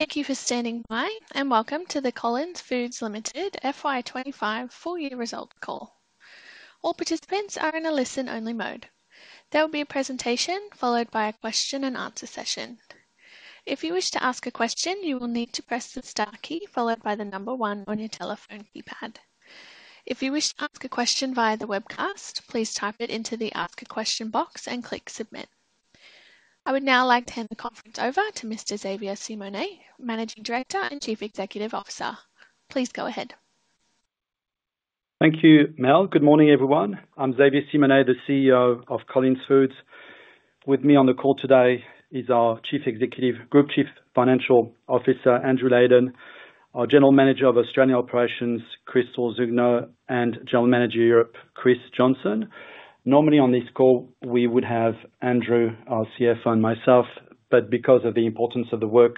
Thank you for standing by, and welcome to the Collins Foods Limited FY 2025 Full Year Result Call. All participants are in a listen-only mode. There will be a presentation followed by a question-and-answer session. If you wish to ask a question, you will need to press the star key followed by the number one on your telephone keypad. If you wish to ask a question via the webcast, please type it into the Ask a Question box and click Submit. I would now like to hand the conference over to Mr. Xavier Simonet, Managing Director and Chief Executive Officer. Please go ahead. Thank you, Mel. Good morning, everyone. I'm Xavier Simonet, the CEO of Collins Foods. With me on the call today is our Group Chief Financial Officer, Andrew Leyden, our General Manager of Australian Operations, Krystal Zugno, and General Manager Europe, Chris Johnson. Normally on this call, we would have Andrew, our CFO, and myself, but because of the importance of the work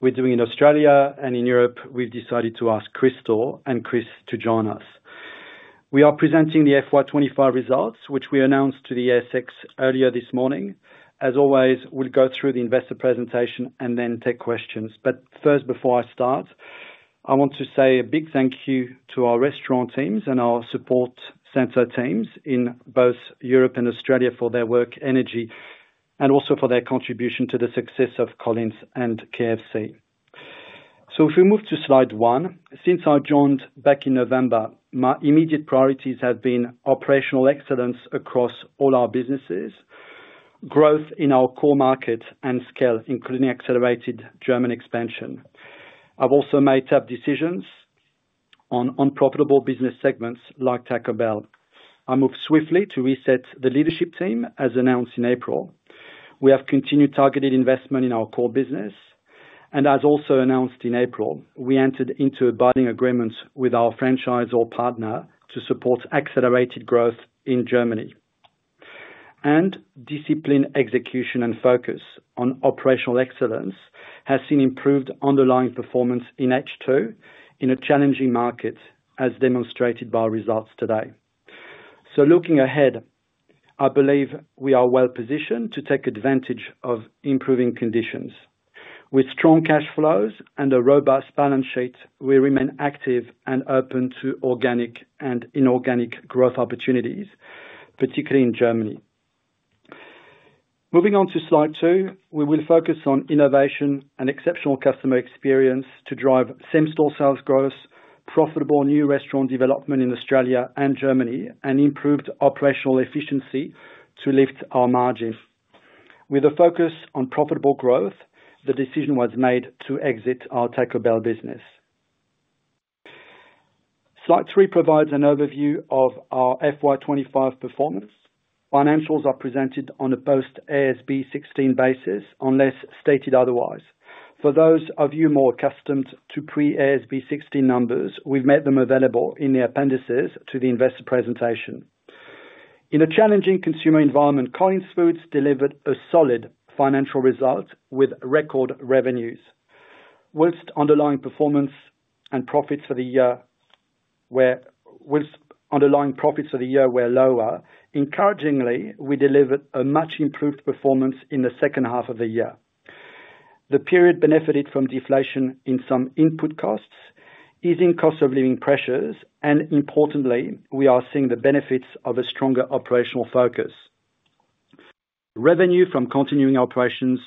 we're doing in Australia and in Europe, we've decided to ask Krystal and Chris to join us. We are presenting the FY 2025 results, which we announced to the ASX earlier this morning. As always, we'll go through the investor presentation and then take questions. First, before I start, I want to say a big thank you to our restaurant teams and our support center teams in both Europe and Australia for their work, energy, and also for their contribution to the success of Collins and KFC. If we move to slide one, since I joined back in November, my immediate priorities have been operational excellence across all our businesses, growth in our core market and scale, including accelerated German expansion. I have also made tough decisions on unprofitable business segments like Taco Bell. I moved swiftly to reset the leadership team, as announced in April. We have continued targeted investment in our core business. As also announced in April, we entered into a buying agreement with our franchisor partner to support accelerated growth in Germany. Discipline, execution, and focus on operational excellence have seen improved underlying performance in H2 in a challenging market, as demonstrated by our results today. Looking ahead, I believe we are well positioned to take advantage of improving conditions. With strong cash flows and a robust balance sheet, we remain active and open to organic and inorganic growth opportunities, particularly in Germany. Moving on to slide two, we will focus on innovation and exceptional customer experience to drive same-store sales growth, profitable new restaurant development in Australia and Germany, and improved operational efficiency to lift our margin. With a focus on profitable growth, the decision was made to exit our Taco Bell business. Slide three provides an overview of our FY 2025 performance. Financials are presented on a post-AASB 16 basis, unless stated otherwise. For those of you more accustomed to pre-AASB 16 numbers, we've made them available in the appendices to the investor presentation. In a challenging consumer environment, Collins Foods delivered a solid financial result with record revenues. Whilst underlying performance and profits for the year were lower, encouragingly, we delivered a much improved performance in the second half of the year. The period benefited from deflation in some input costs, easing cost of living pressures, and importantly, we are seeing the benefits of a stronger operational focus. Revenue from continuing operations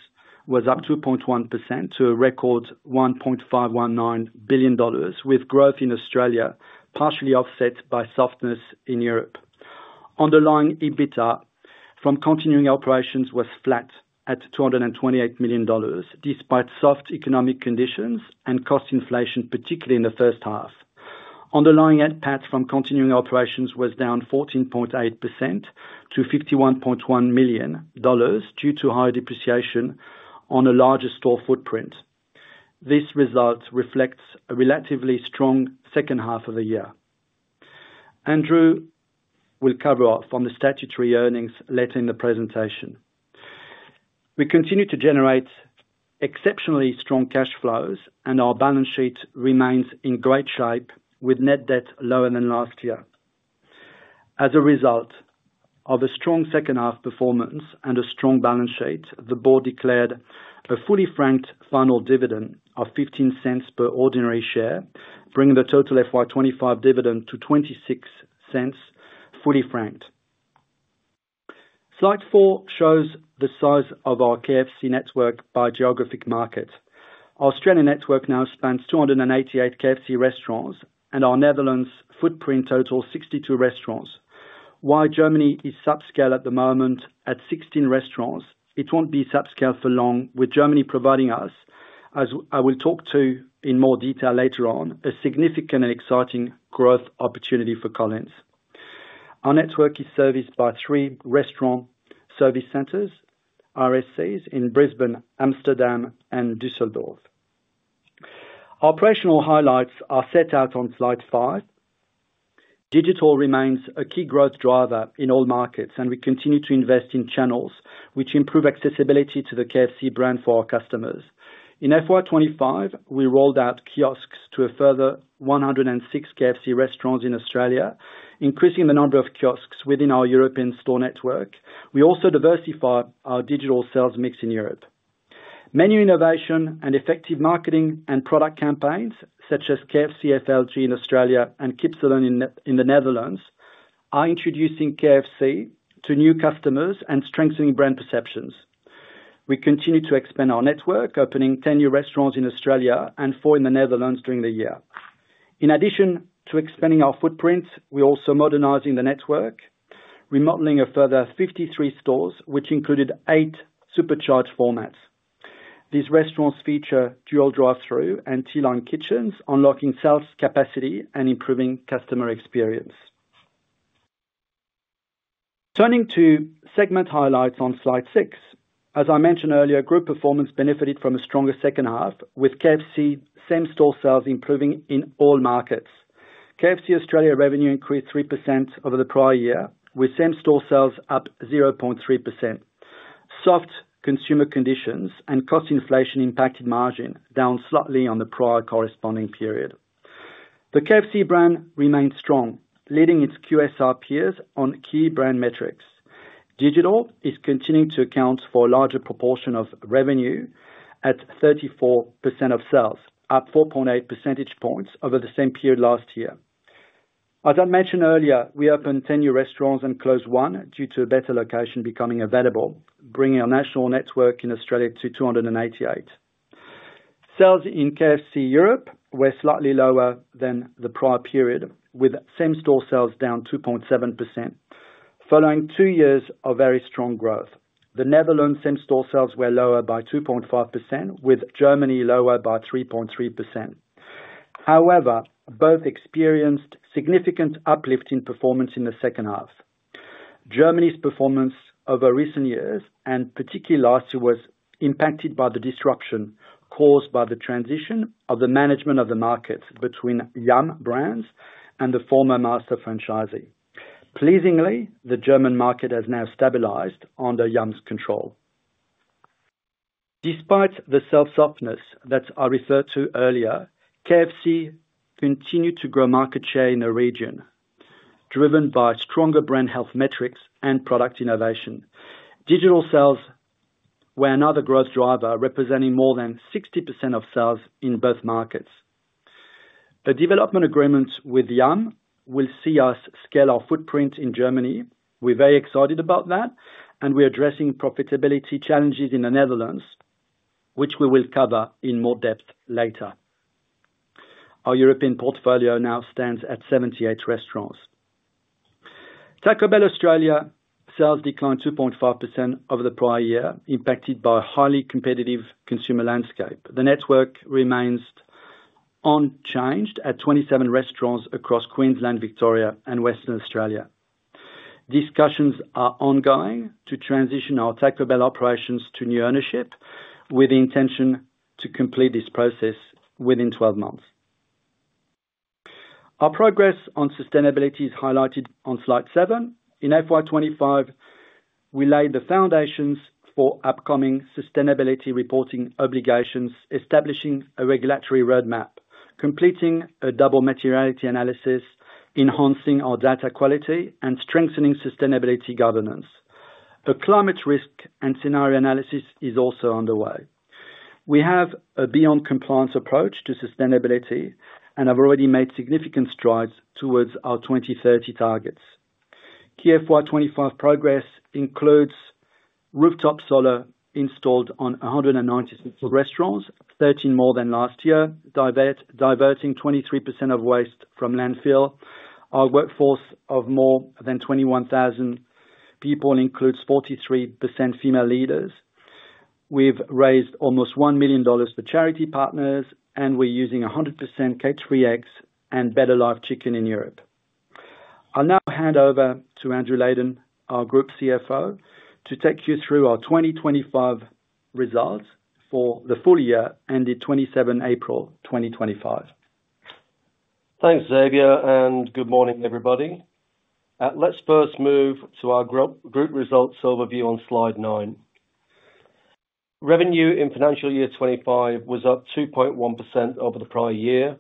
was up 2.1% to a record 1.519 billion dollars, with growth in Australia partially offset by softness in Europe. Underlying EBITDA from continuing operations was flat at 228 million dollars, despite soft economic conditions and cost inflation, particularly in the first half. Underlying NPAT from continuing operations was down 14.8% to 51.1 million dollars due to higher depreciation on a larger store footprint. This result reflects a relatively strong second half of the year. Andrew will cover off on the statutory earnings later in the presentation. We continue to generate exceptionally strong cash flows, and our balance sheet remains in great shape, with net debt lower than last year. As a result of a strong second half performance and a strong balance sheet, the board declared a fully franked final dividend of 0.15 per ordinary share, bringing the total FY 2025 dividend to 0.26 fully franked. Slide four shows the size of our KFC network by geographic market. Our Australian network now spans 288 KFC restaurants, and our Netherlands footprint totals 62 restaurants. While Germany is subscale at the moment at 16 restaurants, it will not be subscale for long, with Germany providing us, as I will talk to in more detail later on, a significant and exciting growth opportunity for Collins. Our network is serviced by three Restaurant Service Centers, RSCs in Brisbane, Amsterdam, and Düsseldorf. Operational highlights are set out on slide five. Digital remains a key growth driver in all markets, and we continue to invest in channels which improve accessibility to the KFC brand for our customers. In FY 2025, we rolled out kiosks to a further 106 KFC restaurants in Australia, increasing the number of kiosks within our European store network. We also diversify our digital sales mix in Europe. Menu innovation and effective marketing and product campaigns, such as KFC FLG in Australia and Kipselen in the Netherlands, are introducing KFC to new customers and strengthening brand perceptions. We continue to expand our network, opening 10 new restaurants in Australia and four in the Netherlands during the year. In addition to expanding our footprint, we're also modernizing the network, remodeling a further 53 stores, which included eight supercharged formats. These restaurants feature dual drive-through and T-line kitchens, unlocking sales capacity and improving customer experience. Turning to segment highlights on slide six, as I mentioned earlier, group performance benefited from a stronger second half, with KFC same-store sales improving in all markets. KFC Australia revenue increased 3% over the prior year, with same-store sales up 0.3%. Soft consumer conditions and cost inflation impacted margin down slightly on the prior corresponding period. The KFC brand remained strong, leading its QSR peers on key brand metrics. Digital is continuing to account for a larger proportion of revenue at 34% of sales, up 4.8 percentage points over the same period last year. As I mentioned earlier, we opened 10 new restaurants and closed one due to a better location becoming available, bringing our national network in Australia to 288. Sales in KFC Europe were slightly lower than the prior period, with same-store sales down 2.7%, following two years of very strong growth. The Netherlands same-store sales were lower by 2.5%, with Germany lower by 3.3%. However, both experienced significant uplift in performance in the second half. Germany's performance over recent years, and particularly last year, was impacted by the disruption caused by the transition of the management of the market between Yum! Brands and the former master franchisee. Pleasingly, the German market has now stabilized under Yum!'s control. Despite the sales softness that I referred to earlier, KFC continued to grow market share in the region, driven by stronger brand health metrics and product innovation. Digital sales were another growth driver, representing more than 60% of sales in both markets. The development agreement with Yum! will see us scale our footprint in Germany. We're very excited about that, and we're addressing profitability challenges in the Netherlands, which we will cover in more depth later. Our European portfolio now stands at 78 restaurants. Taco Bell Australia sales declined 2.5% over the prior year, impacted by a highly competitive consumer landscape. The network remains unchanged at 27 restaurants across Queensland, Victoria, and Western Australia. Discussions are ongoing to transition our Taco Bell operations to new ownership, with the intention to complete this process within 12 months. Our progress on sustainability is highlighted on slide seven. In FY 2025, we laid the foundations for upcoming sustainability reporting obligations, establishing a regulatory roadmap, completing a double materiality analysis, enhancing our data quality, and strengthening sustainability governance. A climate risk and scenario analysis is also underway. We have a beyond compliance approach to sustainability and have already made significant strides towards our 2030 targets. Key FY 2025 progress includes rooftop solar installed on 190 restaurants, 13 more than last year, diverting 23% of waste from landfill. Our workforce of more than 21,000 people includes 43% female leaders. We've raised almost 1 million dollars for charity partners, and we're using 100% K3X and Better Life Chicken in Europe. I'll now hand over to Andrew Leyden, our Group CFO, to take you through our 2025 results for the full year ended 27 April 2025. Thanks, Xavier, and good morning, everybody. Let's first move to our group results overview on slide nine. Revenue in financial year 2025 was up 2.1% over the prior year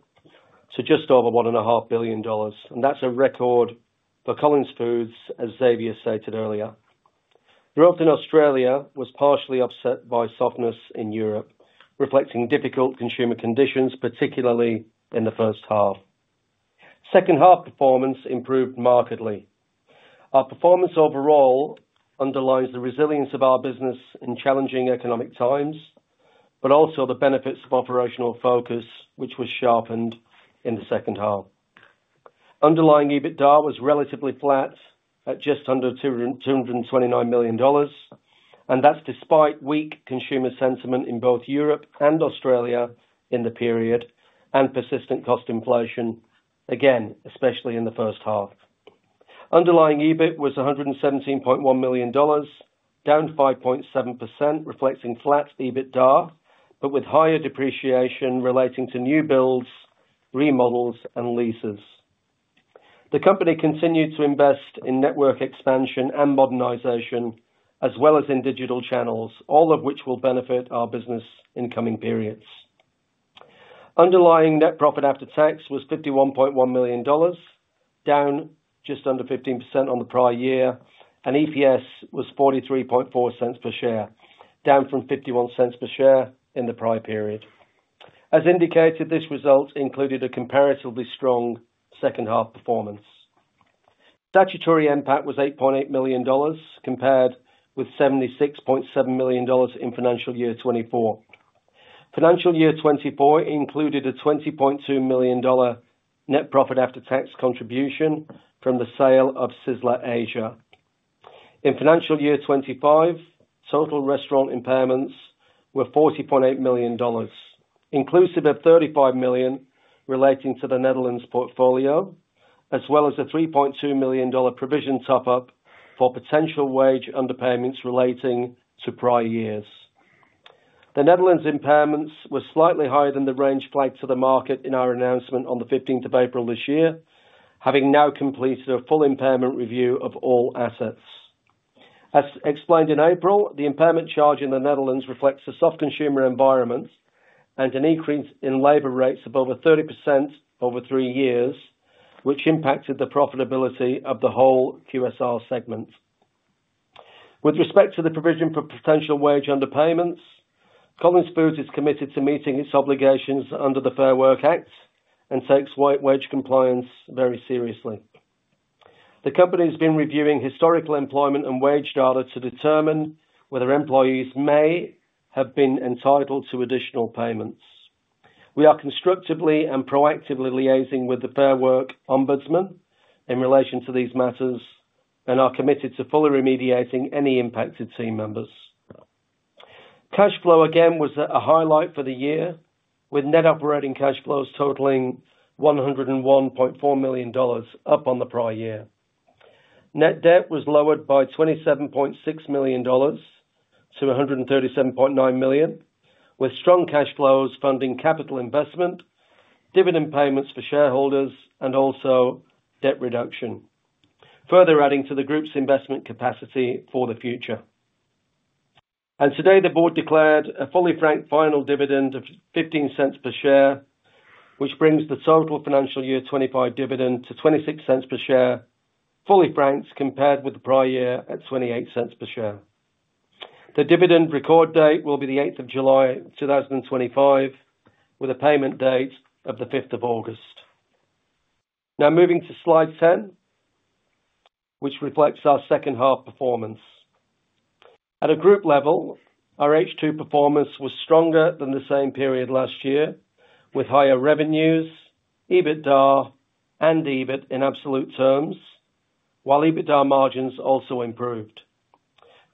to just over 1.5 billion dollars, and that's a record for Collins Foods, as Xavier stated earlier. Growth in Australia was partially offset by softness in Europe, reflecting difficult consumer conditions, particularly in the first half. Second half performance improved markedly. Our performance overall underlines the resilience of our business in challenging economic times, but also the benefits of operational focus, which was sharpened in the second half. Underlying EBITDA was relatively flat at just under 229 million dollars, and that's despite weak consumer sentiment in both Europe and Australia in the period and persistent cost inflation, again, especially in the first half. Underlying EBIT was 117.1 million dollars, down 5.7%, reflecting flat EBITDA, but with higher depreciation relating to new builds, remodels, and leases. The company continued to invest in network expansion and modernization, as well as in digital channels, all of which will benefit our business in coming periods. Underlying net profit after tax was 51.1 million dollars, down just under 15% on the prior year, and EPS was 0.434 per share, down from 0.51 per share in the prior period. As indicated, this result included a comparatively strong second half performance. Statutory impact was 8.8 million dollars compared with 76.7 million dollars in financial year 2024. Financial year 2024 included a 20.2 million dollar net profit after tax contribution from the sale of Sizzler Asia. In financial year 2025, total restaurant impairments were 40.8 million dollars, inclusive of 35 million relating to the Netherlands portfolio, as well as an 3.2 million dollar provision top-up for potential wage underpayments relating to prior years. The Netherlands impairments were slightly higher than the range flagged to the market in our announcement on the 15th of April this year, having now completed a full impairment review of all assets. As explained in April, the impairment charge in the Netherlands reflects a soft consumer environment and an increase in labor rates of over 30% over three years, which impacted the profitability of the whole QSR segment. With respect to the provision for potential wage underpayments, Collins Foods is committed to meeting its obligations under the Fair Work Act and takes wage compliance very seriously. The company has been reviewing historical employment and wage data to determine whether employees may have been entitled to additional payments. We are constructively and proactively liaising with the Fair Work Ombudsman in relation to these matters and are committed to fully remediating any impacted team members. Cash flow again was a highlight for the year, with net operating cash flows totaling 101.4 million dollars, up on the prior year. Net debt was lowered by 27.6 million dollars to 137.9 million, with strong cash flows funding capital investment, dividend payments for shareholders, and also debt reduction, further adding to the group's investment capacity for the future. Today, the board declared a fully franked final dividend of 0.15 per share, which brings the total financial year 2025 dividend to 0.26 per share, fully franked, compared with the prior year at 0.28 per share. The dividend record date will be the 8th of July 2025, with a payment date of the 5th of August. Now moving to slide 10, which reflects our second half performance. At a group level, our H2 performance was stronger than the same period last year, with higher revenues, EBITDA, and EBIT in absolute terms, while EBITDA margins also improved.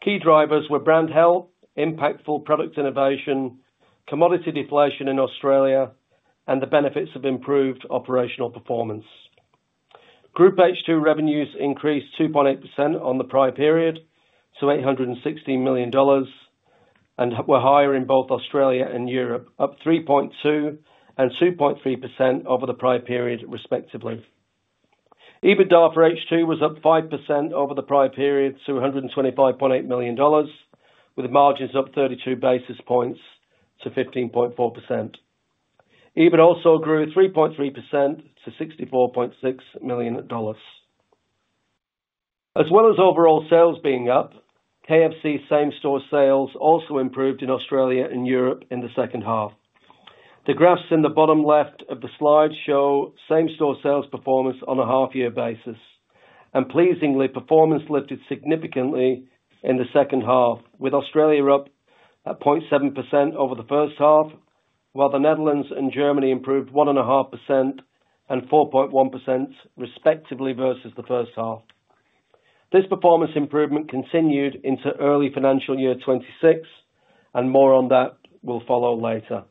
Key drivers were brand health, impactful product innovation, commodity deflation in Australia, and the benefits of improved operational performance. Group H2 revenues increased 2.8% on the prior period to 816 million dollars and were higher in both Australia and Europe, up 3.2% and 2.3% over the prior period, respectively. EBITDA for H2 was up 5% over the prior period to 125.8 million dollars, with margins up 32 basis points to 15.4%. EBIT also grew 3.3% to 64.6 million dollars. As well as overall sales being up, KFC same-store sales also improved in Australia and Europe in the second half. The graphs in the bottom left of the slide show same-store sales performance on a half-year basis, and pleasingly, performance lifted significantly in the second half, with Australia up at 0.7% over the first half, while the Netherlands and Germany improved 1.5% and 4.1%, respectively, versus the first half. This performance improvement continued into early financial year 2026, and more on that will follow later.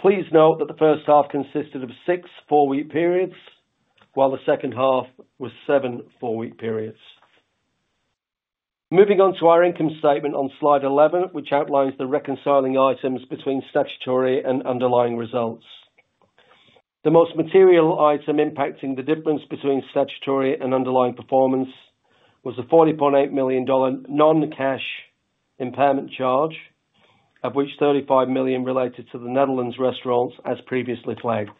Please note that the first half consisted of six four-week periods, while the second half was seven four-week periods. Moving on to our income statement on slide 11, which outlines the reconciling items between statutory and underlying results. The most material item impacting the difference between statutory and underlying performance was the 40.8 million dollar non-cash impairment charge, of which 35 million related to the Netherlands restaurants as previously flagged.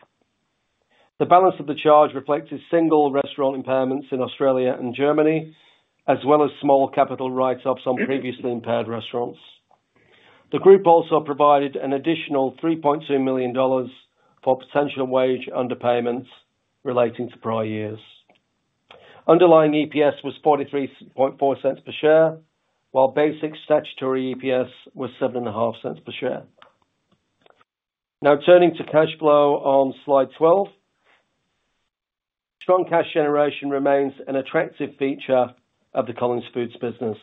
The balance of the charge reflected single restaurant impairments in Australia and Germany, as well as small capital write-ups on previously impaired restaurants. The group also provided an additional 3.2 million dollars for potential wage underpayments relating to prior years. Underlying EPS was 0.434 per share, while basic statutory EPS was 0.075 per share. Now turning to cash flow on slide 12, strong cash generation remains an attractive feature of the Collins Foods business.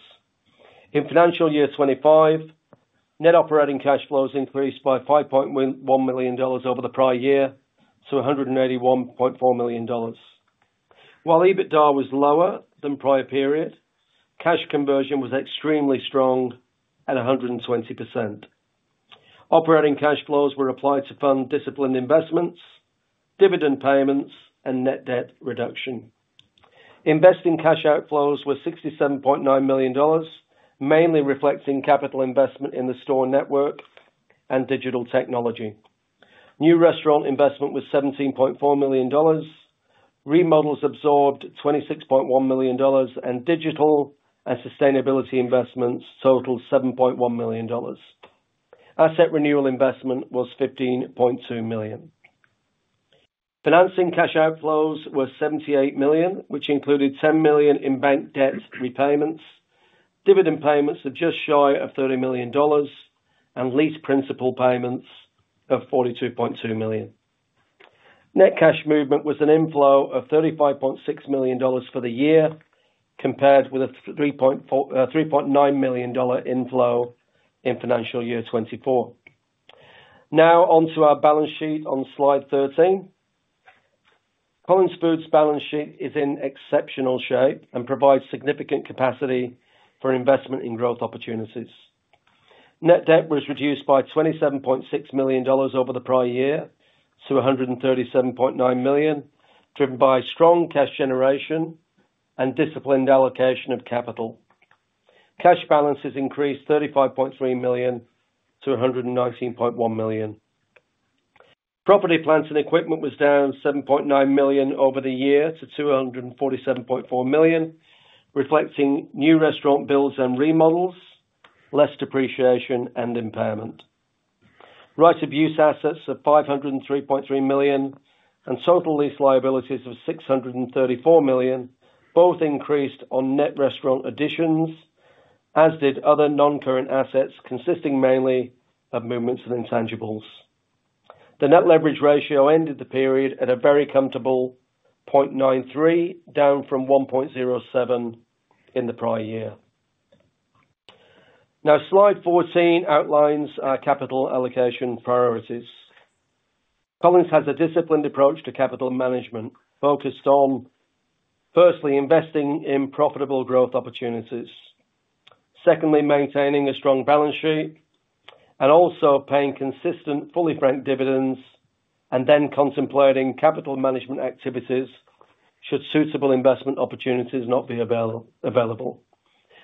In financial year 2025, net operating cash flows increased by 5.1 million dollars over the prior year to 181.4 million dollars. While EBITDA was lower than prior period, cash conversion was extremely strong at 120%. Operating cash flows were applied to fund disciplined investments, dividend payments, and net debt reduction. Investing cash outflows were 67.9 million dollars, mainly reflecting capital investment in the store network and digital technology. New restaurant investment was 17.4 million dollars. Remodels absorbed 26.1 million dollars, and digital and sustainability investments totaled 7.1 million dollars. Asset renewal investment was 15.2 million. Financing cash outflows were 78 million, which included 10 million in bank debt repayments, dividend payments of just shy of 30 million dollars, and lease principal payments of 42.2 million. Net cash movement was an inflow of 35.6 million dollars for the year, compared with a 3.9 million dollar inflow in financial year 2024. Now onto our balance sheet on slide 13. Collins Foods' balance sheet is in exceptional shape and provides significant capacity for investment in growth opportunities. Net debt was reduced by 27.6 million dollars over the prior year to 137.9 million, driven by strong cash generation and disciplined allocation of capital. Cash balances increased 35.3 million-119.1 million. Property, plant, and equipment was down 7.9 million over the year to 247.4 million, reflecting new restaurant builds and remodels, less depreciation, and impairment. Right-of-use assets of 503.3 million and total lease liabilities of 634 million, both increased on net restaurant additions, as did other non-current assets consisting mainly of movements in intangibles. The net leverage ratio ended the period at a very comfortable 0.93, down from 1.07 in the prior year. Now, slide 14 outlines our capital allocation priorities. Collins has a disciplined approach to capital management, focused on, firstly, investing in profitable growth opportunities. Secondly, maintaining a strong balance sheet and also paying consistent fully franked dividends, and then contemplating capital management activities should suitable investment opportunities not be available.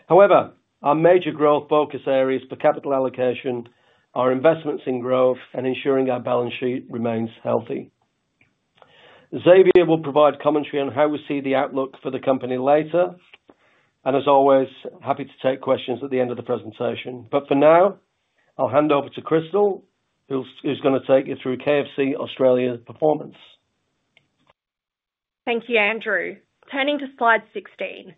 However, our major growth focus areas for capital allocation are investments in growth and ensuring our balance sheet remains healthy. Xavier will provide commentary on how we see the outlook for the company later, and as always, happy to take questions at the end of the presentation. For now, I'll hand over to Krystal, who's going to take you through KFC Australia's performance. Thank you, Andrew. Turning to slide 16.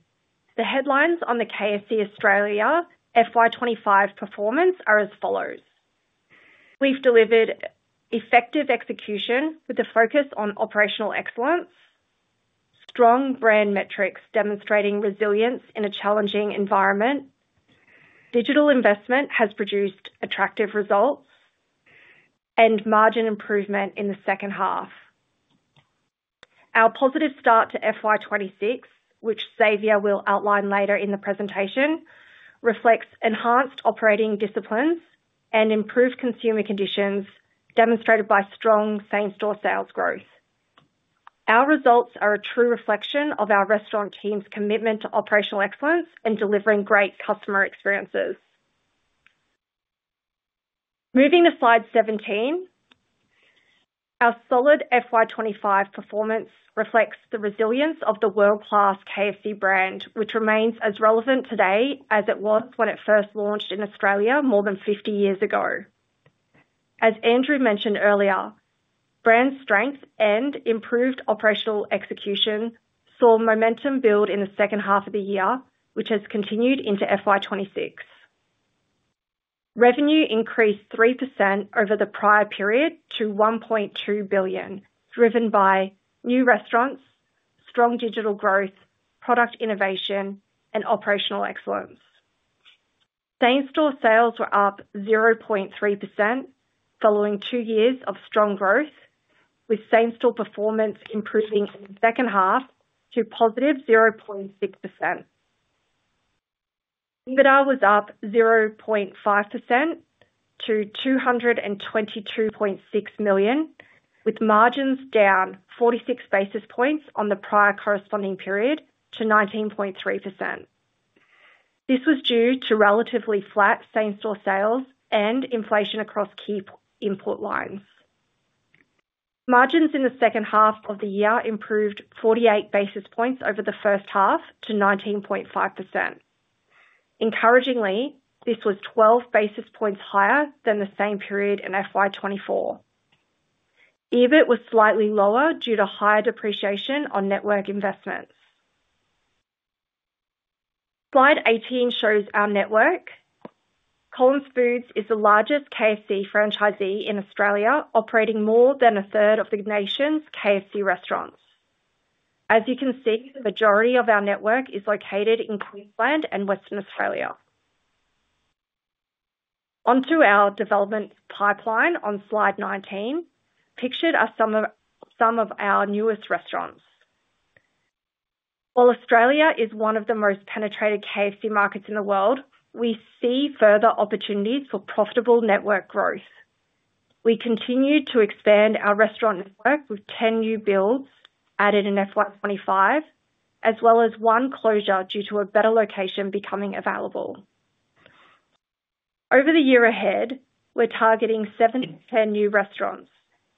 The headlines on the KFC Australia FY 2025 performance are as follows. We've delivered effective execution with a focus on operational excellence, strong brand metrics demonstrating resilience in a challenging environment, digital investment has produced attractive results, and margin improvement in the second half. Our positive start to FY 2026, which Xavier will outline later in the presentation, reflects enhanced operating disciplines and improved consumer conditions demonstrated by strong same-store sales growth. Our results are a true reflection of our restaurant team's commitment to operational excellence and delivering great customer experiences. Moving to slide 17, our solid FY 2025 performance reflects the resilience of the world-class KFC brand, which remains as relevant today as it was when it first launched in Australia more than 50 years ago. As Andrew mentioned earlier, brand strength and improved operational execution saw momentum build in the second half of the year, which has continued into FY 2026. Revenue increased 3% over the prior period to 1.2 billion, driven by new restaurants, strong digital growth, product innovation, and operational excellence. Same-store sales were up 0.3% following two years of strong growth, with same-store performance improving in the second half to +0.6%. EBITDA was up 0.5% to 222.6 million, with margins down 46 basis points on the prior corresponding period to 19.3%. This was due to relatively flat same-store sales and inflation across key import lines. Margins in the second half of the year improved 48 basis points over the first half to 19.5%. Encouragingly, this was 12 basis points higher than the same period in FY 2024. EBIT was slightly lower due to higher depreciation on network investments. Slide 18 shows our network. Collins Foods is the largest KFC franchisee in Australia, operating more than a third of the nation's KFC restaurants. As you can see, the majority of our network is located in Queensland and Western Australia. Onto our development pipeline on slide 19, pictured are some of our newest restaurants. While Australia is one of the most penetrated KFC markets in the world, we see further opportunities for profitable network growth. We continue to expand our restaurant network with 10 new builds added in FY 2025, as well as one closure due to a better location becoming available. Over the year ahead, we're targeting 7-10 new restaurants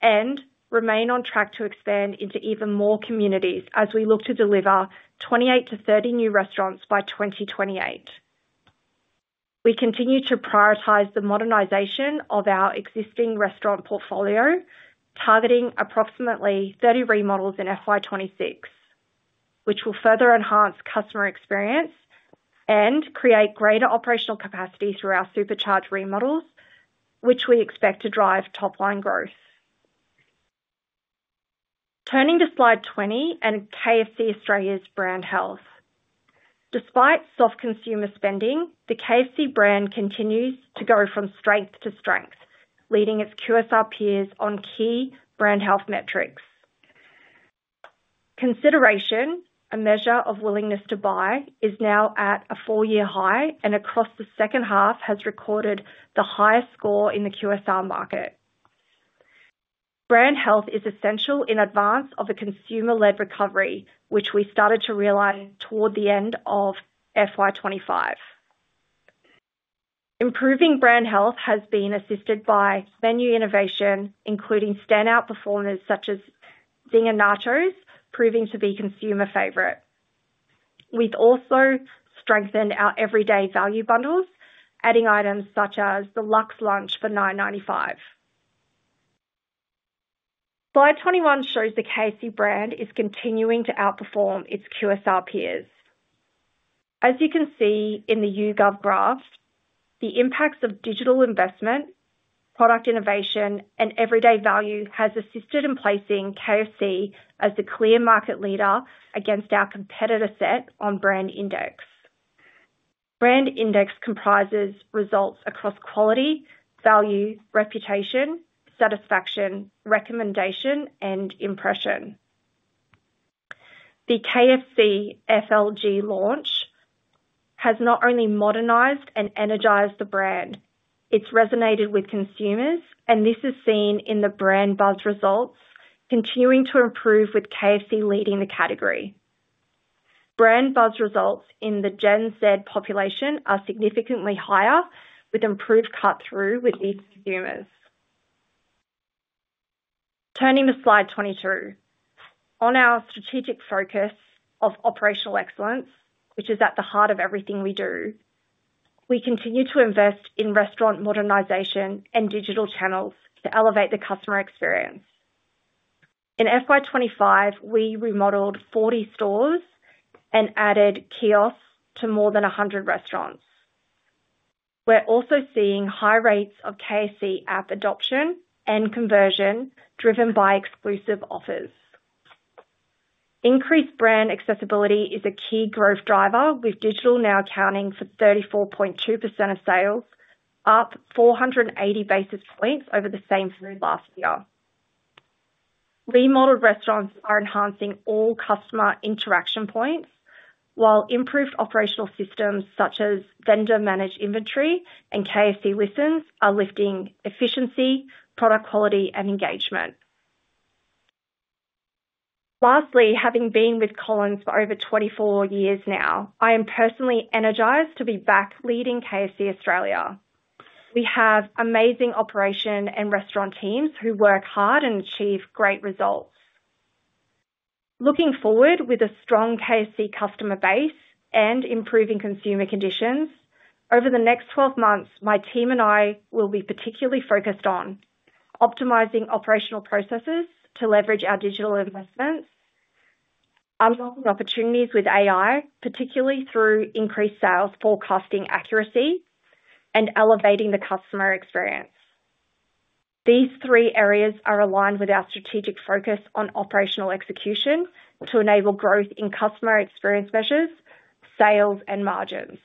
and remain on track to expand into even more communities as we look to deliver 28-30 new restaurants by 2028. We continue to prioritize the modernization of our existing restaurant portfolio, targeting approximately 30 remodels in FY 2026, which will further enhance customer experience and create greater operational capacity through our supercharged remodels, which we expect to drive top-line growth. Turning to slide 20 and KFC Australia's brand health. Despite soft consumer spending, the KFC brand continues to go from strength to strength, leading its QSR peers on key brand health metrics. Consideration, a measure of willingness to buy, is now at a four-year high, and across the second half has recorded the highest score in the QSR market. Brand health is essential in advance of a consumer-led recovery, which we started to realize toward the end of FY2025. Improving brand health has been assisted by menu innovation, including standout performers such as Zing and Nachos, proving to be consumer favorite. We've also strengthened our everyday value bundles, adding items such as the Luxe Lunch for 9.95. Slide 21 shows the KFC brand is continuing to outperform its QSR peers. As you can see in the YouGov graph, the impacts of digital investment, product innovation, and everyday value have assisted in placing KFC as the clear market leader against our competitor set on Brand Index. Brand Index comprises results across quality, value, reputation, satisfaction, recommendation, and impression. The KFC FLG launch has not only modernized and energized the brand, it's resonated with consumers, and this is seen in the Brand Buzz results, continuing to improve with KFC leading the category. Brand Buzz results in the Gen Z population are significantly higher, with improved cut-through with these consumers. Turning to slide 22. On our strategic focus of operational excellence, which is at the heart of everything we do, we continue to invest in restaurant modernization and digital channels to elevate the customer experience. In FY 2025, we remodeled 40 stores and added kiosks to more than 100 restaurants. We're also seeing high rates of KFC app adoption and conversion driven by exclusive offers. Increased brand accessibility is a key growth driver, with DigitalNow accounting for 34.2% of sales, up 480 basis points over the same period last year. Remodeled restaurants are enhancing all customer interaction points, while improved operational systems such as vendor-managed inventory and KFC Listens are lifting efficiency, product quality, and engagement. Lastly, having been with Collins Foods for over 24 years now, I am personally energized to be back leading KFC Australia. We have amazing operation and restaurant teams who work hard and achieve great results. Looking forward with a strong KFC customer base and improving consumer conditions, over the next 12 months, my team and I will be particularly focused on optimizing operational processes to leverage our digital investments, unlocking opportunities with AI, particularly through increased sales forecasting accuracy, and elevating the customer experience. These three areas are aligned with our strategic focus on operational execution to enable growth in customer experience measures, sales, and margins.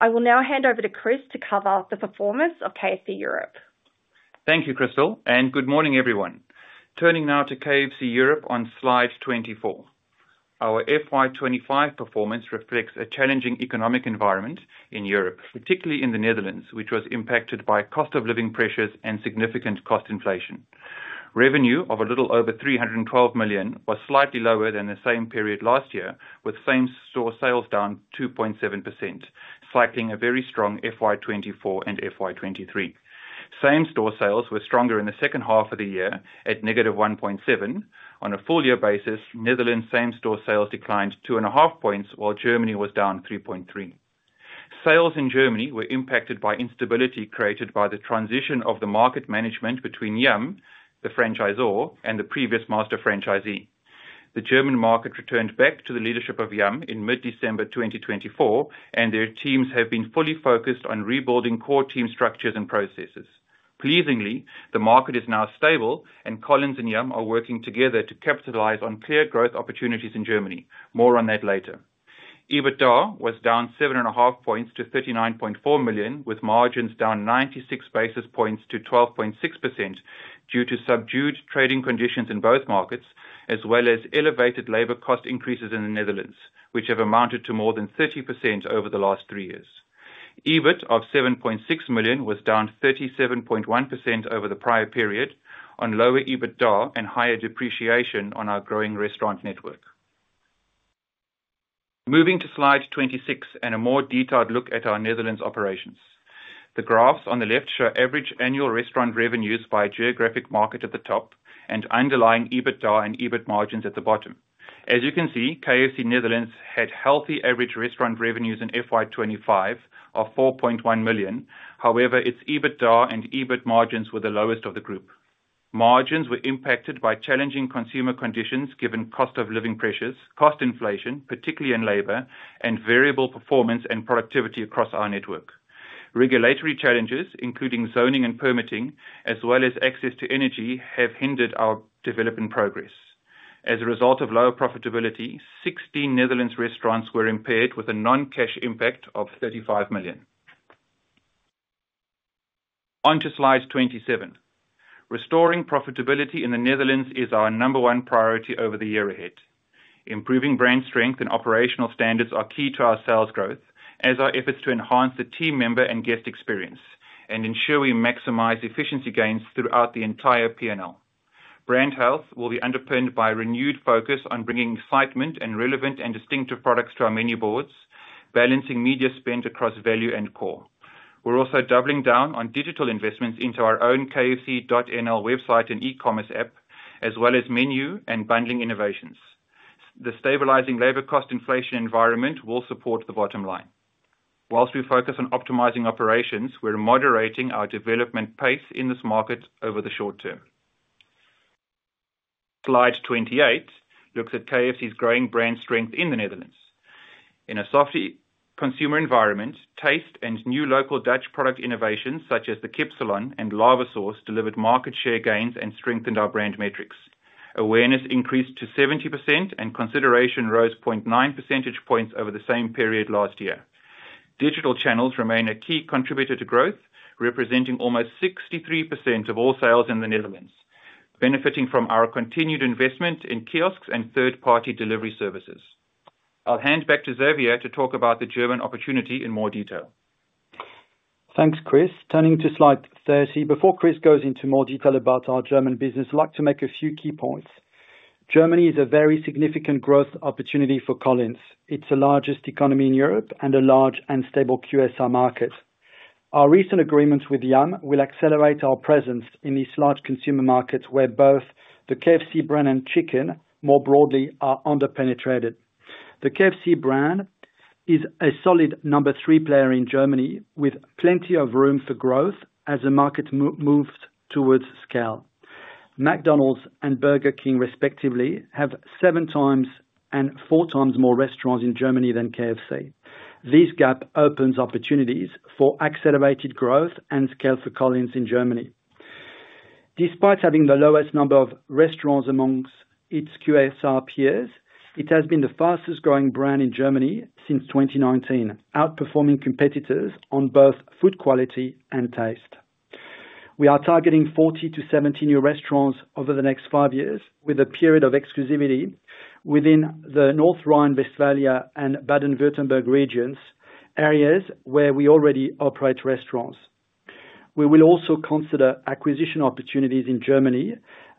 I will now hand over to Chris to cover the performance of KFC Europe. Thank you, Krystal, and good morning, everyone. Turning now to KFC Europe on slide 24. Our FY 2025 performance reflects a challenging economic environment in Europe, particularly in the Netherlands, which was impacted by cost of living pressures and significant cost inflation. Revenue of a little over 312 million was slightly lower than the same period last year, with same-store sales down 2.7%, cycling a very strong FY 2024 and FY 2023. Same-store sales were stronger in the second half of the year at negative 1.7%. On a full-year basis, Netherlands' same-store sales declined 2.5 percentage points, while Germany was down 3.3. Sales in Germany were impacted by instability created by the transition of the market management between Yum! Brands, the franchisor, and the previous master franchisee. The German market returned back to the leadership of Yum! Brands in mid-December 2024, and their teams have been fully focused on rebuilding core team structures and processes. Pleasingly, the market is now stable, and Collins and Yum! are working together to capitalize on clear growth opportunities in Germany. More on that later. EBITDA was down 7.5% to 39.4 million, with margins down 96 basis points to 12.6% due to subdued trading conditions in both markets, as well as elevated labor cost increases in the Netherlands, which have amounted to more than 30% over the last three years. EBIT of 7.6 million was down 37.1% over the prior period on lower EBITDA and higher depreciation on our growing restaurant network. Moving to slide 26 and a more detailed look at our Netherlands operations. The graphs on the left show average annual restaurant revenues by geographic market at the top and underlying EBITDA and EBIT margins at the bottom. As you can see, KFC Netherlands had healthy average restaurant revenues in FY 2025 of 4.1 million. However, its EBITDA and EBIT margins were the lowest of the group. Margins were impacted by challenging consumer conditions given cost of living pressures, cost inflation, particularly in labor, and variable performance and productivity across our network. Regulatory challenges, including zoning and permitting, as well as access to energy, have hindered our development progress. As a result of lower profitability, 16 Netherlands restaurants were impaired with a non-cash impact of 35 million. Onto slide 27. Restoring profitability in the Netherlands is our number one priority over the year ahead. Improving brand strength and operational standards are key to our sales growth, as are efforts to enhance the team member and guest experience and ensure we maximize efficiency gains throughout the entire P&L. Brand health will be underpinned by a renewed focus on bringing excitement and relevant and distinctive products to our menu boards, balancing media spend across value and core. We're also doubling down on digital investments into our own KFC.nl website and e-commerce app, as well as menu and bundling innovations. The stabilizing labor cost inflation environment will support the bottom line. Whilst we focus on optimizing operations, we're moderating our development pace in this market over the short term. Slide 28 looks at KFC's growing brand strength in the Netherlands. In a soft consumer environment, taste and new local Dutch product innovations such as the Kipselen and Lava Sauce delivered market share gains and strengthened our brand metrics. Awareness increased to 70%, and consideration rose 0.9 percentage points over the same period last year. Digital channels remain a key contributor to growth, representing almost 63% of all sales in the Netherlands, benefiting from our continued investment in kiosks and third-party delivery services. I'll hand back to Xavier to talk about the German opportunity in more detail. Thanks, Chris. Turning to slide 30. Before Chris goes into more detail about our German business, I'd like to make a few key points. Germany is a very significant growth opportunity for Collins. It's the largest economy in Europe and a large and stable QSR market. Our recent agreements with Yum! will accelerate our presence in these large consumer markets where both the KFC brand and chicken, more broadly, are under-penetrated. The KFC brand is a solid number three player in Germany, with plenty of room for growth as the market moves towards scale. McDonald's and Burger King, respectively, have seven times and four times more restaurants in Germany than KFC. This gap opens opportunities for accelerated growth and scale for Collins in Germany. Despite having the lowest number of restaurants amongst its QSR peers, it has been the fastest-growing brand in Germany since 2019, outperforming competitors on both food quality and taste. We are targeting 40-70 new restaurants over the next five years, with a period of exclusivity within the North Rhine-Westphalia and Baden-Württemberg regions, areas where we already operate restaurants. We will also consider acquisition opportunities in Germany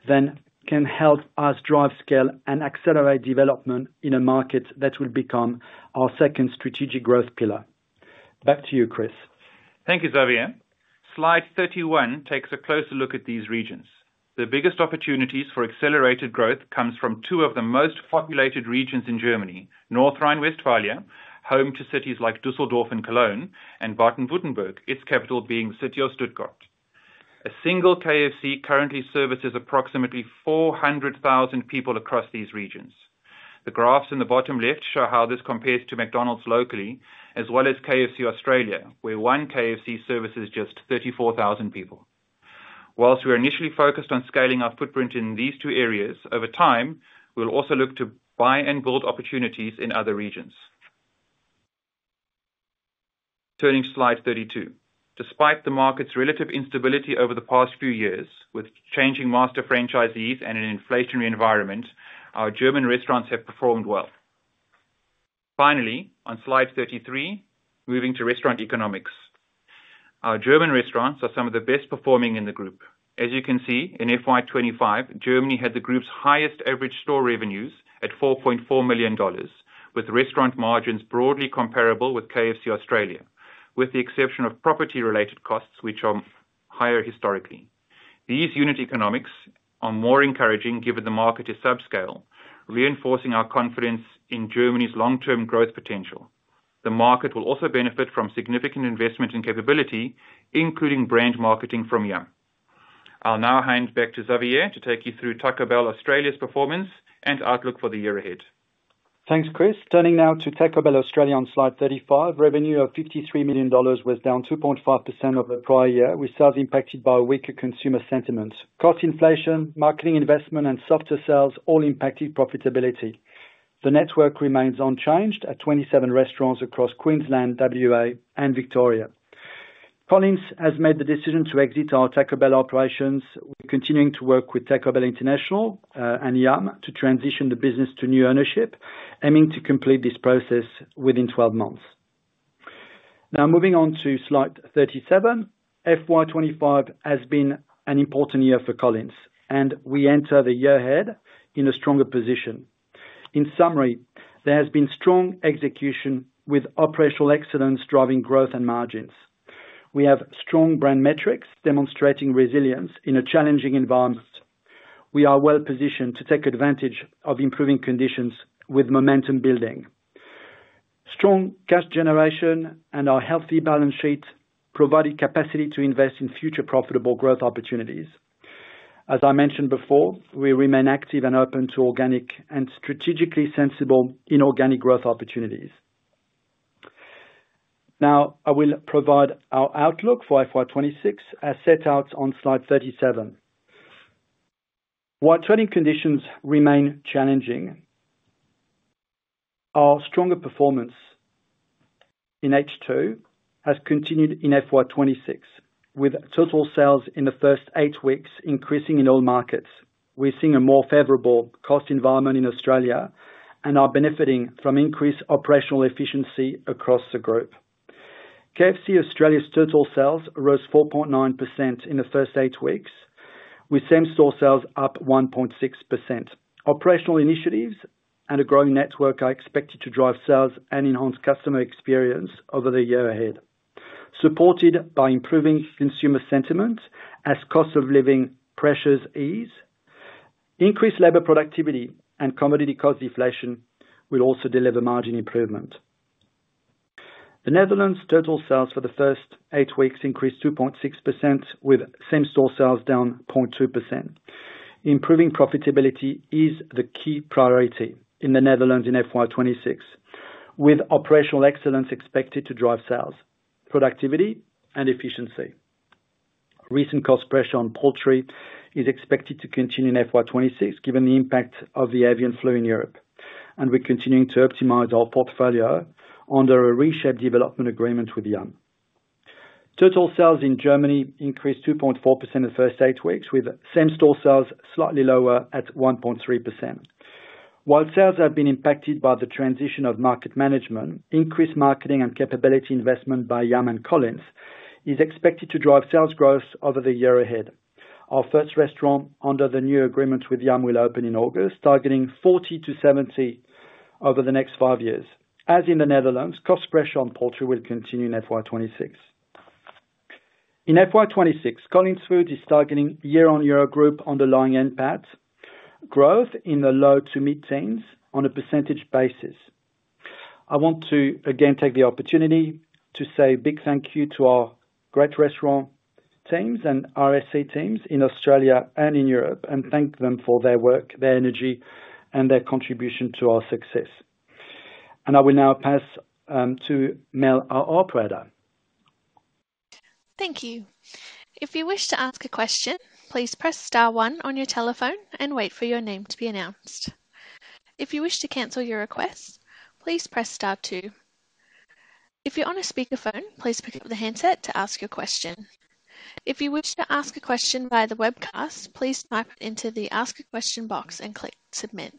that can help us drive scale and accelerate development in a market that will become our second strategic growth pillar. Back to you, Chris. Thank you, Xavier. Slide 31 takes a closer look at these regions. The biggest opportunities for accelerated growth come from two of the most populated regions in Germany, North Rhine-Westphalia, home to cities like Düsseldorf and Cologne, and Baden-Württemberg, its capital being the city of Stuttgart. A single KFC currently services approximately 400,000 people across these regions. The graphs in the bottom left show how this compares to McDonald's locally, as well as KFC Australia, where one KFC services just 34,000 people. Whilst we're initially focused on scaling our footprint in these two areas, over time, we'll also look to buy and build opportunities in other regions. Turning to slide 32. Despite the market's relative instability over the past few years, with changing master franchisees and an inflationary environment, our German restaurants have performed well. Finally, on slide 33, moving to restaurant economics. Our German restaurants are some of the best performing in the group. As you can see, in FY 2025, Germany had the group's highest average store revenues at 4.4 million dollars, with restaurant margins broadly comparable with KFC Australia, with the exception of property-related costs, which are higher historically. These unit economics are more encouraging given the market is subscale, reinforcing our confidence in Germany's long-term growth potential. The market will also benefit from significant investment and capability, including brand marketing from Yum! I'll now hand back to Xavier to take you through Taco Bell Australia's performance and outlook for the year ahead. Thanks, Chris. Turning now to Taco Bell Australia on slide 35. Revenue of 53 million dollars was down 2.5% over the prior year, with sales impacted by weaker consumer sentiment. Cost inflation, marketing investment, and softer sales all impacted profitability. The network remains unchanged at 27 restaurants across Queensland, Western Australia, and Victoria. Collins has made the decision to exit our Taco Bell operations, continuing to work with Taco Bell International and Yum! to transition the business to new ownership, aiming to complete this process within 12 months. Now, moving on to slide 37. FY 2025 has been an important year for Collins, and we enter the year ahead in a stronger position. In summary, there has been strong execution with operational excellence driving growth and margins. We have strong brand metrics demonstrating resilience in a challenging environment. We are well-positioned to take advantage of improving conditions with momentum building. Strong cash generation and our healthy balance sheet provide the capacity to invest in future profitable growth opportunities. As I mentioned before, we remain active and open to organic and strategically sensible inorganic growth opportunities. Now, I will provide our outlook for FY 2026 as set out on slide 37. While trading conditions remain challenging, our stronger performance in H2 has continued in FY 2026, with total sales in the first eight weeks increasing in all markets. We're seeing a more favorable cost environment in Australia and are benefiting from increased operational efficiency across the group. KFC Australia's total sales rose 4.9% in the first eight weeks, with same-store sales up 1.6%. Operational initiatives and a growing network are expected to drive sales and enhance customer experience over the year ahead. Supported by improving consumer sentiment as cost of living pressures ease, increased labor productivity and commodity cost deflation will also deliver margin improvement. The Netherlands' total sales for the first eight weeks increased 2.6%, with same-store sales down 0.2%. Improving profitability is the key priority in the Netherlands in FY 2026, with operational excellence expected to drive sales, productivity, and efficiency. Recent cost pressure on poultry is expected to continue in FY 2026, given the impact of the avian flu in Europe, and we're continuing to optimize our portfolio under a reshaped development agreement with Yum!. Total sales in Germany increased 2.4% in the first eight weeks, with same-store sales slightly lower at 1.3%. While sales have been impacted by the transition of market management, increased marketing and capability investment by Yum! and Collins is expected to drive sales growth over the year ahead. Our first restaurant under the new agreement with Yum! will open in August, targeting 40-70 over the next five years. As in the Netherlands, cost pressure on poultry will continue in FY 2026. In FY 2026, Collins Foods is targeting year-on-year group underlying NPAT growth in the low to mid-teens on a % basis. I want to again take the opportunity to say a big thank you to our great restaurant teams and RSC teams in Australia and in Europe, and thank them for their work, their energy, and their contribution to our success. I will now pass to Mel, our operator. Thank you. If you wish to ask a question, please press Star one on your telephone and wait for your name to be announced. If you wish to cancel your request, please press Star two. If you're on a speakerphone, please pick up the handset to ask your question. If you wish to ask a question via the webcast, please type it into the Ask a Question box and click Submit.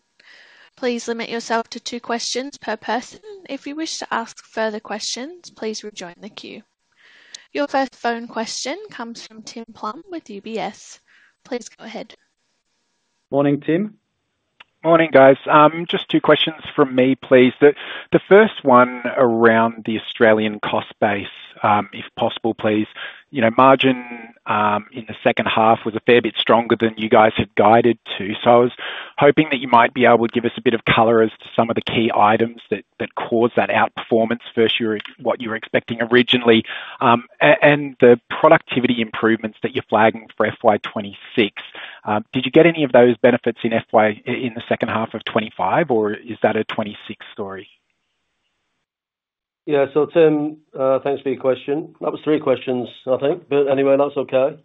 Please limit yourself to two questions per person. If you wish to ask further questions, please rejoin the queue. Your first phone question comes from Tim Plumbe with UBS. Please go ahead. Morning, Tim. Morning, guys. Just two questions from me, please. The first one around the Australian cost base, if possible, please. Margin in the second half was a fair bit stronger than you guys had guided to, so I was hoping that you might be able to give us a bit of color as to some of the key items that caused that outperformance versus what you were expecting originally and the productivity improvements that you're flagging for FY 2026. Did you get any of those benefits in the second half of 2025, or is that a 2026 story? Yeah, so Tim, thanks for your question. That was three questions, I think, but anyway, that's okay.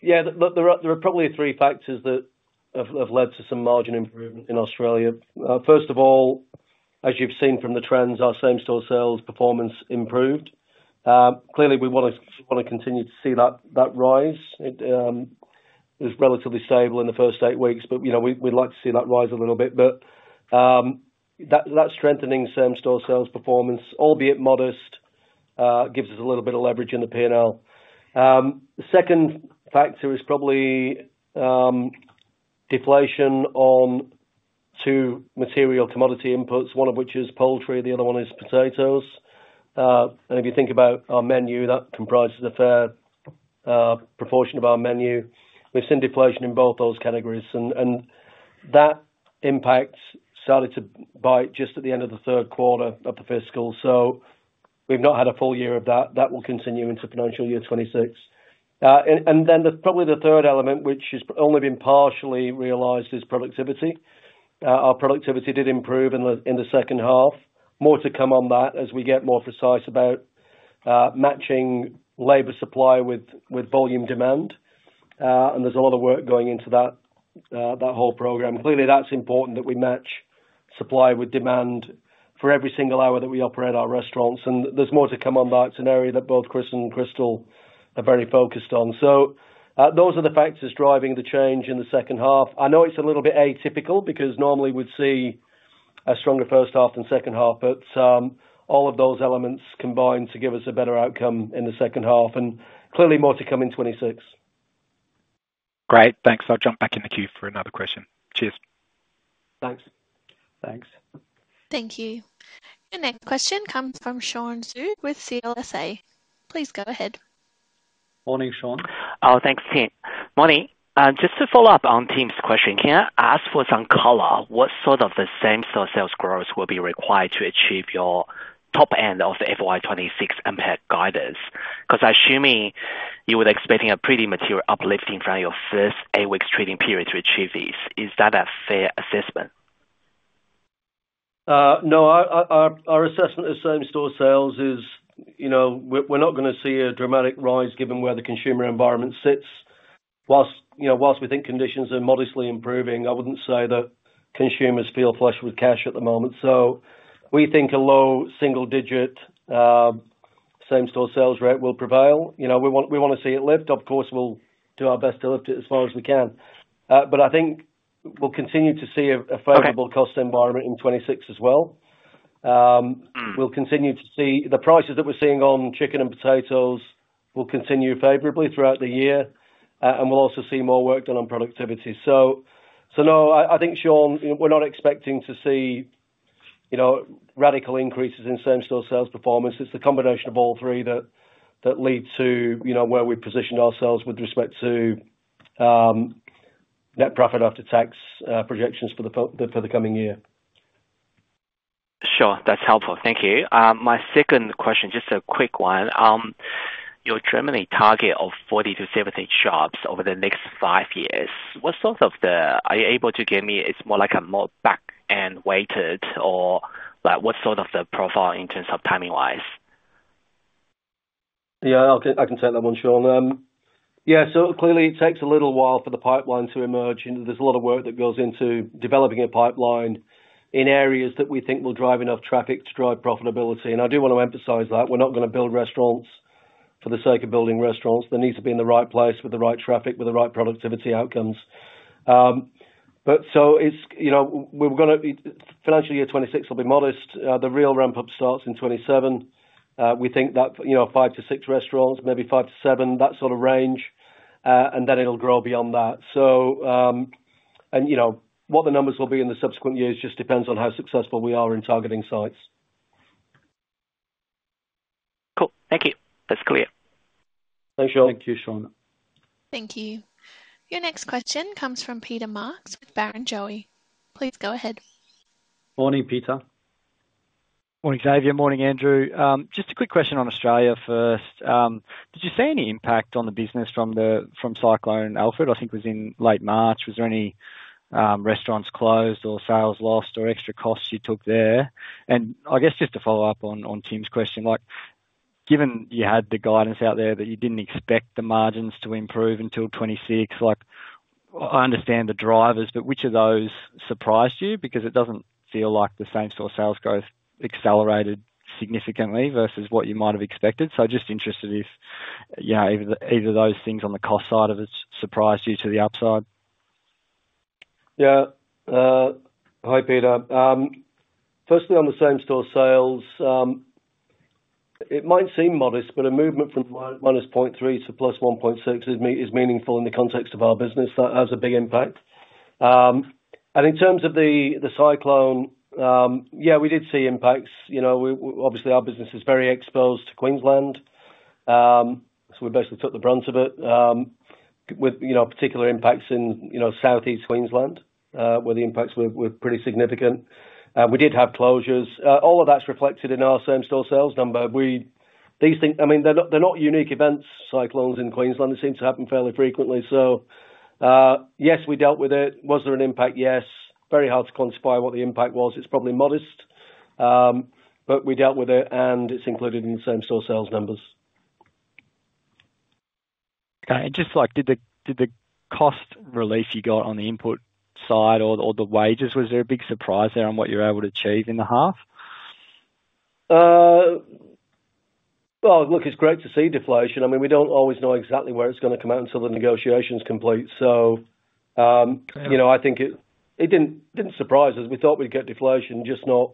Yeah, there are probably three factors that have led to some margin improvement in Australia. First of all, as you've seen from the trends, our same-store sales performance improved. Clearly, we want to continue to see that rise. It was relatively stable in the first eight weeks, but we'd like to see that rise a little bit. That strengthening same-store sales performance, albeit modest, gives us a little bit of leverage in the P&L. The second factor is probably deflation on two material commodity inputs, one of which is poultry, the other one is potatoes. If you think about our menu, that comprises a fair proportion of our menu. We've seen deflation in both those categories, and that impact started to bite just at the end of the third quarter of the fiscal, so we've not had a full year of that. That will continue into financial year 2026. Probably the third element, which has only been partially realized, is productivity. Our productivity did improve in the second half. More to come on that as we get more precise about matching labor supply with volume demand, and there's a lot of work going into that whole program. Clearly, it's important that we match supply with demand for every single hour that we operate our restaurants, and there's more to come on that. It's an area that both Chris and Krystal are very focused on. Those are the factors driving the change in the second half. I know it's a little bit atypical because normally we'd see a stronger first half than second half, but all of those elements combine to give us a better outcome in the second half, and clearly more to come in 2026. Great. Thanks. I'll jump back in the queue for another question. Cheers. Thanks. Thanks. Thank you. The next question comes from Sean Xu with CLSA. Please go ahead. Morning, Sean. Oh, thanks, team. Morning. Just to follow up on Tim's question, can I ask for some color what sort of the same-store sales growth will be required to achieve your top end of the FY 2026 impact guidance? Because I'm assuming you were expecting a pretty material uplift in front of your first eight-week trading period to achieve this. Is that a fair assessment? No, our assessment of same-store sales is we're not going to see a dramatic rise given where the consumer environment sits. Whilst we think conditions are modestly improving, I wouldn't say that consumers feel flush with cash at the moment. We think a low single-digit same-store sales rate will prevail. We want to see it lift. Of course, we'll do our best to lift it as far as we can. I think we'll continue to see a favorable cost environment in 2026 as well. We'll continue to see the prices that we're seeing on chicken and potatoes will continue favorably throughout the year, and we'll also see more work done on productivity. No, I think, Sean, we're not expecting to see radical increases in same-store sales performance. It's the combination of all three that leads to where we've positioned ourselves with respect to net profit after tax projections for the coming year. Sure. That's helpful. Thank you. My second question, just a quick one. Your Germany target of 40 shops-70 shops over the next five years, what sort of the are you able to give me? It's more like a more back-end weighted, or what sort of the profile in terms of timing-wise? Yeah, I can take that one, Sean. Yeah, so clearly, it takes a little while for the pipeline to emerge. There is a lot of work that goes into developing a pipeline in areas that we think will drive enough traffic to drive profitability. I do want to emphasize that we are not going to build restaurants for the sake of building restaurants. They need to be in the right place with the right traffic, with the right productivity outcomes. We are going to financial year 2026 will be modest. The real ramp-up starts in 2027. We think that five to six restaurants, maybe five-seven, that sort of range, and then it will grow beyond that. What the numbers will be in the subsequent years just depends on how successful we are in targeting sites. Cool. Thank you. That's clear. Thanks, Sean. Thank you, Sean. Thank you. Your next question comes from Peter Marks with Barronjoey. Please go ahead. Morning, Peter. Morning, Xavier. Morning, Andrew. Just a quick question on Australia first. Did you see any impact on the business from Cyclone Alfred? I think it was in late March. Was there any restaurants closed or sales lost or extra costs you took there? I guess just to follow up on Tim's question, given you had the guidance out there that you did not expect the margins to improve until 2026, I understand the drivers, but which of those surprised you? It does not feel like the same-store sales growth accelerated significantly versus what you might have expected. Just interested if either of those things on the cost side of it surprised you to the upside. Yeah. Hi, Peter. Firstly, on the same-store sales, it might seem modest, but a movement from -0.3-+1.6 is meaningful in the context of our business. That has a big impact. In terms of the cyclone, yeah, we did see impacts. Obviously, our business is very exposed to Queensland, so we basically took the brunt of it, with particular impacts in southeast Queensland, where the impacts were pretty significant. We did have closures. All of that is reflected in our same-store sales number. I mean, they're not unique events, cyclones in Queensland. They seem to happen fairly frequently. Yes, we dealt with it. Was there an impact? Yes. Very hard to quantify what the impact was. It's probably modest, but we dealt with it, and it's included in the same-store sales numbers. Did the cost relief you got on the input side or the wages, was there a big surprise there on what you were able to achieve in the half? Look, it's great to see deflation. I mean, we don't always know exactly where it's going to come out until the negotiations complete. I think it didn't surprise us. We thought we'd get deflation, just not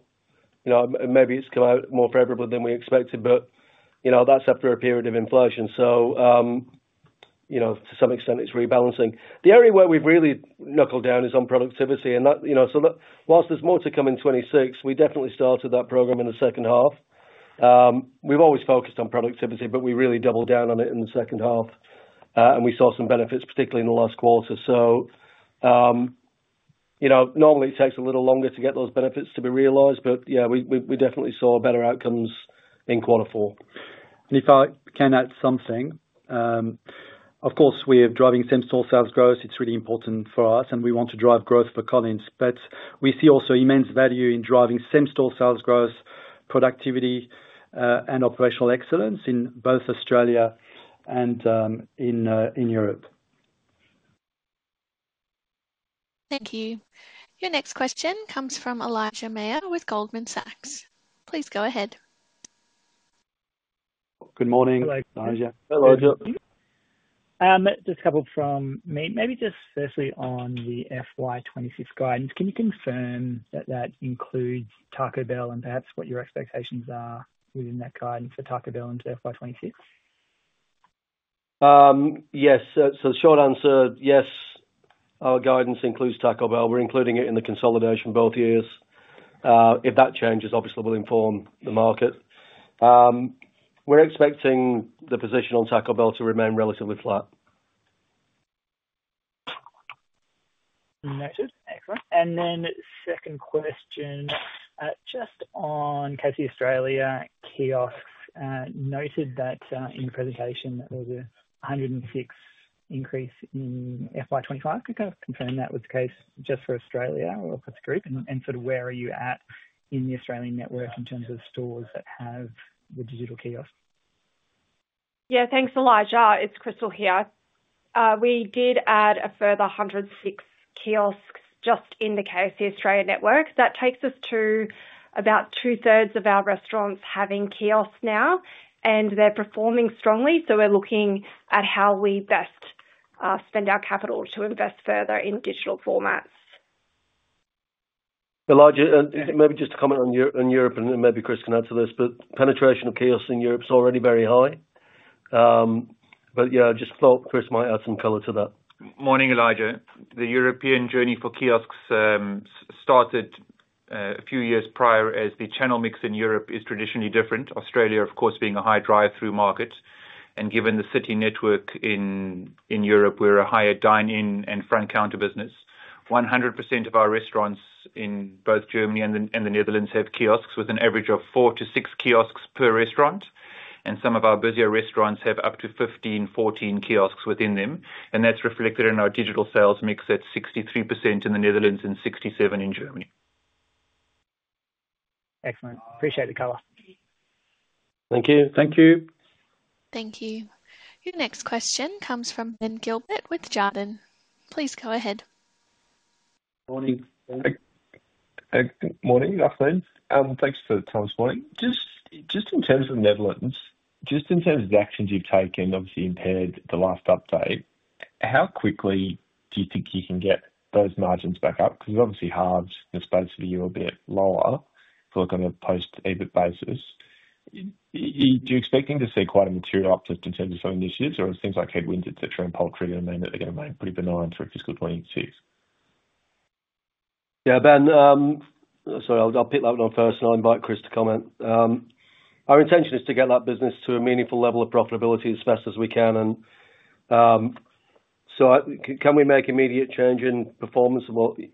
maybe it's come out more favorably than we expected, but that's after a period of inflation. To some extent, it's rebalancing. The area where we've really knuckled down is on productivity. Whilst there's more to come in 2026, we definitely started that program in the second half. We've always focused on productivity, but we really doubled down on it in the second half, and we saw some benefits, particularly in the last quarter. Normally, it takes a little longer to get those benefits to be realized, but yeah, we definitely saw better outcomes in quarter four. If I can add something, of course, we are driving same-store sales growth. It is really important for us, and we want to drive growth for Collins. We see also immense value in driving same-store sales growth, productivity, and operational excellence in both Australia and in Europe. Thank you. Your next question comes from Elijah Mayr with Goldman Sachs. Please go ahead. Good morning, Elijah. Hi Elijah. Hi, just a couple from me. Maybe just firstly on the FY 2026 guidance, can you confirm that that includes Taco Bell and perhaps what your expectations are within that guidance for Taco Bell into FY 2026? Yes. The short answer, yes, our guidance includes Taco Bell. We're including it in the consolidation both years. If that changes, obviously, we'll inform the market. We're expecting the position on Taco Bell to remain relatively flat. Noted. Excellent. Then second question, just on KFC Australia kiosks, noted that in the presentation, there was a 106 increase in FY 2025. Could you kind of confirm that was the case just for Australia or for the group? And sort of where are you at in the Australian network in terms of stores that have the digital kiosk? Yeah, thanks, Elijah. It's Krystal here. We did add a further 106 kiosks just in the KFC Australia network. That takes us to about two-thirds of our restaurants having kiosks now, and they're performing strongly. We're looking at how we best spend our capital to invest further in digital formats. Elijah, maybe just a comment on Europe, and then maybe Chris can answer this, but penetration of kiosks in Europe is already very high. Yeah, just thought Chris might add some color to that. Morning, Elijah. The European journey for kiosks started a few years prior as the channel mix in Europe is traditionally different, Australia, of course, being a high drive-through market. Given the city network in Europe, we're a higher dine-in and front-counter business. 100% of our restaurants in both Germany and the Netherlands have kiosks with an average of four to six kiosks per restaurant. Some of our busier restaurants have up to 15, 14 kiosks within them. That is reflected in our digital sales mix at 63% in the Netherlands and 67% in Germany. Excellent. Appreciate the color. Thank you. Thank you. Thank you. Your next question comes from Ben Gilbert with Jarden. Please go ahead. Morning. Good morning, Lachlan. Thanks for the time this morning. Just in terms of the Netherlands, just in terms of the actions you've taken, obviously impaired the last update, how quickly do you think you can get those margins back up? Because obviously, HARB's disposability will be a bit lower if we're looking at a post-EBIT basis. Do you expect to see quite a material uplift in terms of some initiatives or things like headwinds, etc., and poultry that are going to remain pretty benign through fiscal 2026? Yeah, Ben, sorry, I'll pick that one first, and I'll invite Chris to comment. Our intention is to get that business to a meaningful level of profitability as fast as we can. Can we make immediate change in performance?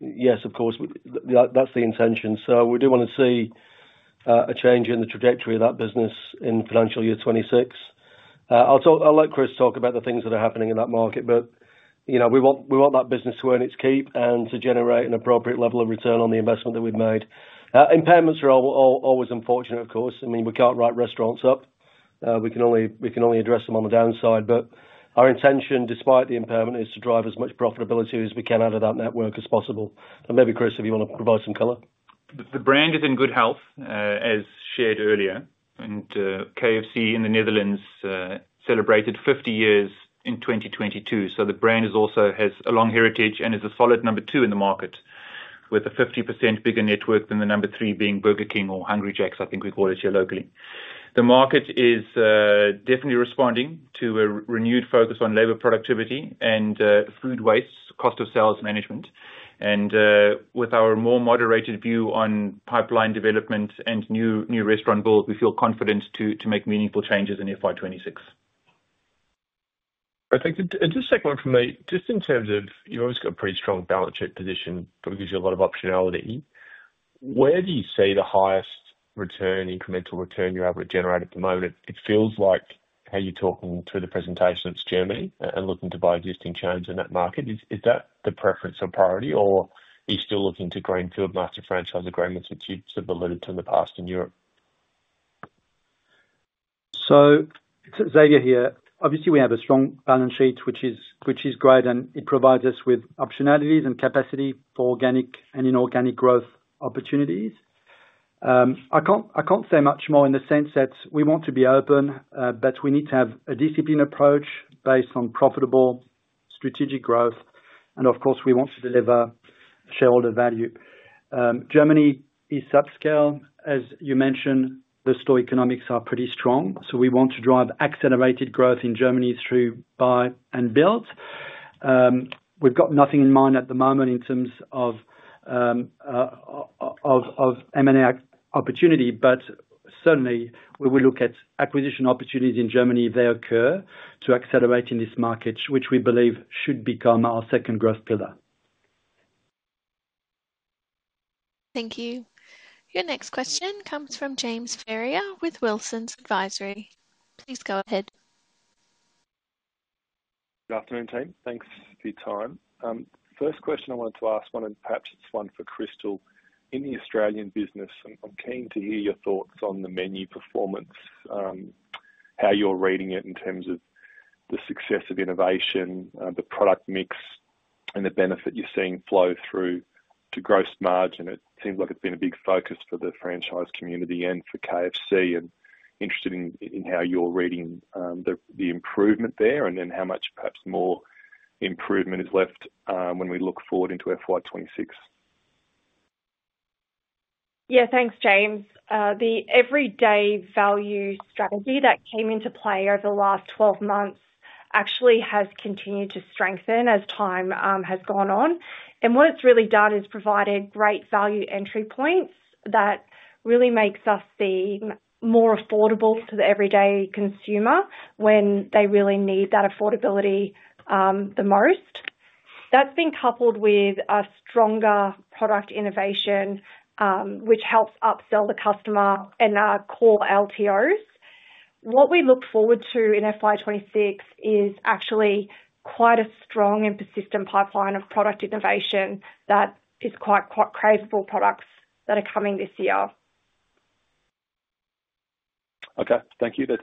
Yes, of course. That's the intention. We do want to see a change in the trajectory of that business in financial year 2026. I'll let Chris talk about the things that are happening in that market, but we want that business to earn its keep and to generate an appropriate level of return on the investment that we've made. Impairments are always unfortunate, of course. I mean, we can't write restaurants up. We can only address them on the downside. Our intention, despite the impairment, is to drive as much profitability as we can out of that network as possible. Chris, if you want to provide some color. The brand is in good health, as shared earlier. KFC in the Netherlands celebrated 50 years in 2022. The brand also has a long heritage and is a solid number two in the market, with a 50% bigger network than the number three, being Burger King or Hungry Jack's, I think we call it here locally. The market is definitely responding to a renewed focus on labor productivity and food waste, cost of sales management. With our more moderated view on pipeline development and new restaurant build, we feel confident to make meaningful changes in FY 2026. I think just a second one from me. Just in terms of you've always got a pretty strong balance sheet position that gives you a lot of optionality. Where do you see the highest return, incremental return, your average generated at the moment? It feels like how you're talking through the presentation, it's Germany and looking to buy existing chains in that market. Is that the preference or priority, or are you still looking to greenfield master franchise agreements, which you've sort of alluded to in the past in Europe? Xavier here. Obviously, we have a strong balance sheet, which is great, and it provides us with optionalities and capacity for organic and inorganic growth opportunities. I can't say much more in the sense that we want to be open, but we need to have a disciplined approach based on profitable strategic growth. Of course, we want to deliver shareholder value. Germany is subscale. As you mentioned, the store economics are pretty strong. We want to drive accelerated growth in Germany through buy and build. We've got nothing in mind at the moment in terms of M&A opportunity, but certainly, we will look at acquisition opportunities in Germany if they occur to accelerate in this market, which we believe should become our second growth pillar. Thank you. Your next question comes from James Ferrier with Wilsons Advisory. Please go ahead. Good afternoon, team. Thanks for your time. First question I wanted to ask, one and perhaps it's one for Krystal, in the Australian business, I'm keen to hear your thoughts on the menu performance, how you're reading it in terms of the success of innovation, the product mix, and the benefit you're seeing flow through to gross margin. It seems like it's been a big focus for the franchise community and for KFC and interested in how you're reading the improvement there and then how much perhaps more improvement is left when we look forward into FY 2026. Yeah, thanks, James. The everyday value strategy that came into play over the last 12 months actually has continued to strengthen as time has gone on. What it's really done is provided great value entry points that really make us seem more affordable to the everyday consumer when they really need that affordability the most. That's been coupled with a stronger product innovation, which helps upsell the customer and our core LTOs. What we look forward to in FY 2026 is actually quite a strong and persistent pipeline of product innovation that is quite craveable products that are coming this year. Okay. Thank you. That's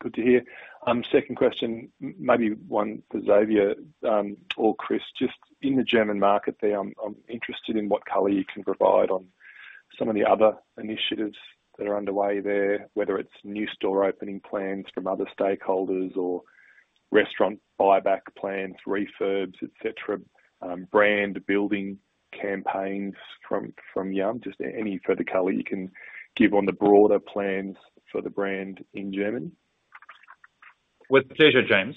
good to hear. Second question, maybe one for Xavier or Chris. Just in the German market there, I'm interested in what color you can provide on some of the other initiatives that are underway there, whether it's new store opening plans from other stakeholders or restaurant buyback plans, refurbs, etc., brand building campaigns from you. Just any further color you can give on the broader plans for the brand in Germany. With pleasure, James.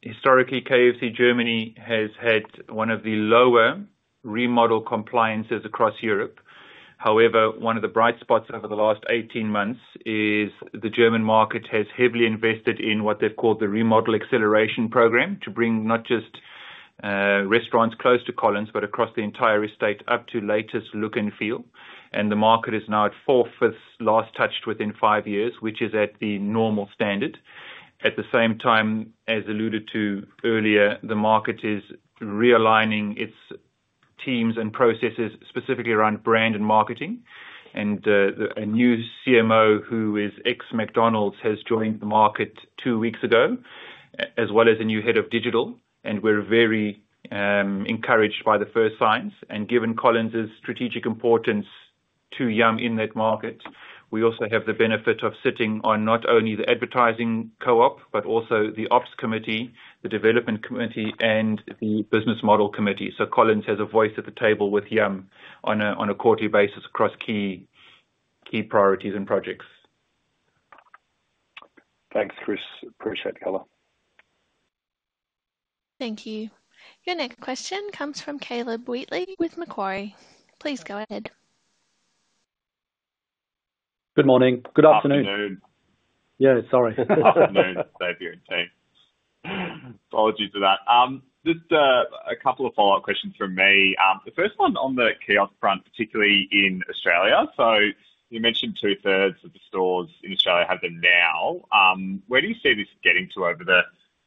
Historically, KFC Germany has had one of the lower remodel compliances across Europe. However, one of the bright spots over the last 18 months is the German market has heavily invested in what they've called the remodel acceleration program to bring not just restaurants close to Collins, but across the entire estate up to latest look and feel. The market is now at four-fifths last touched within five years, which is at the normal standard. At the same time, as alluded to earlier, the market is realigning its teams and processes specifically around brand and marketing. A new CMO who is ex-McDonald's has joined the market two weeks ago, as well as a new head of digital. We are very encouraged by the first signs. Given Collins' strategic importance to Yum! in that market, we also have the benefit of sitting on not only the advertising co-op, but also the ops committee, the development committee, and the business model committee. Collins has a voice at the table with Yum! on a quarterly basis across key priorities and projects. Thanks, Chris. Appreciate the color. Thank you. Your next question comes from Caleb Wheatley with Macquarie. Please go ahead. Good morning. Good afternoon. Good afternoon. Yeah, sorry. Good afternoon, Xavier. Apologies for that. Just a couple of follow-up questions from me. The first one on the kiosk front, particularly in Australia. You mentioned two-thirds of the stores in Australia have them now. Where do you see this getting to over the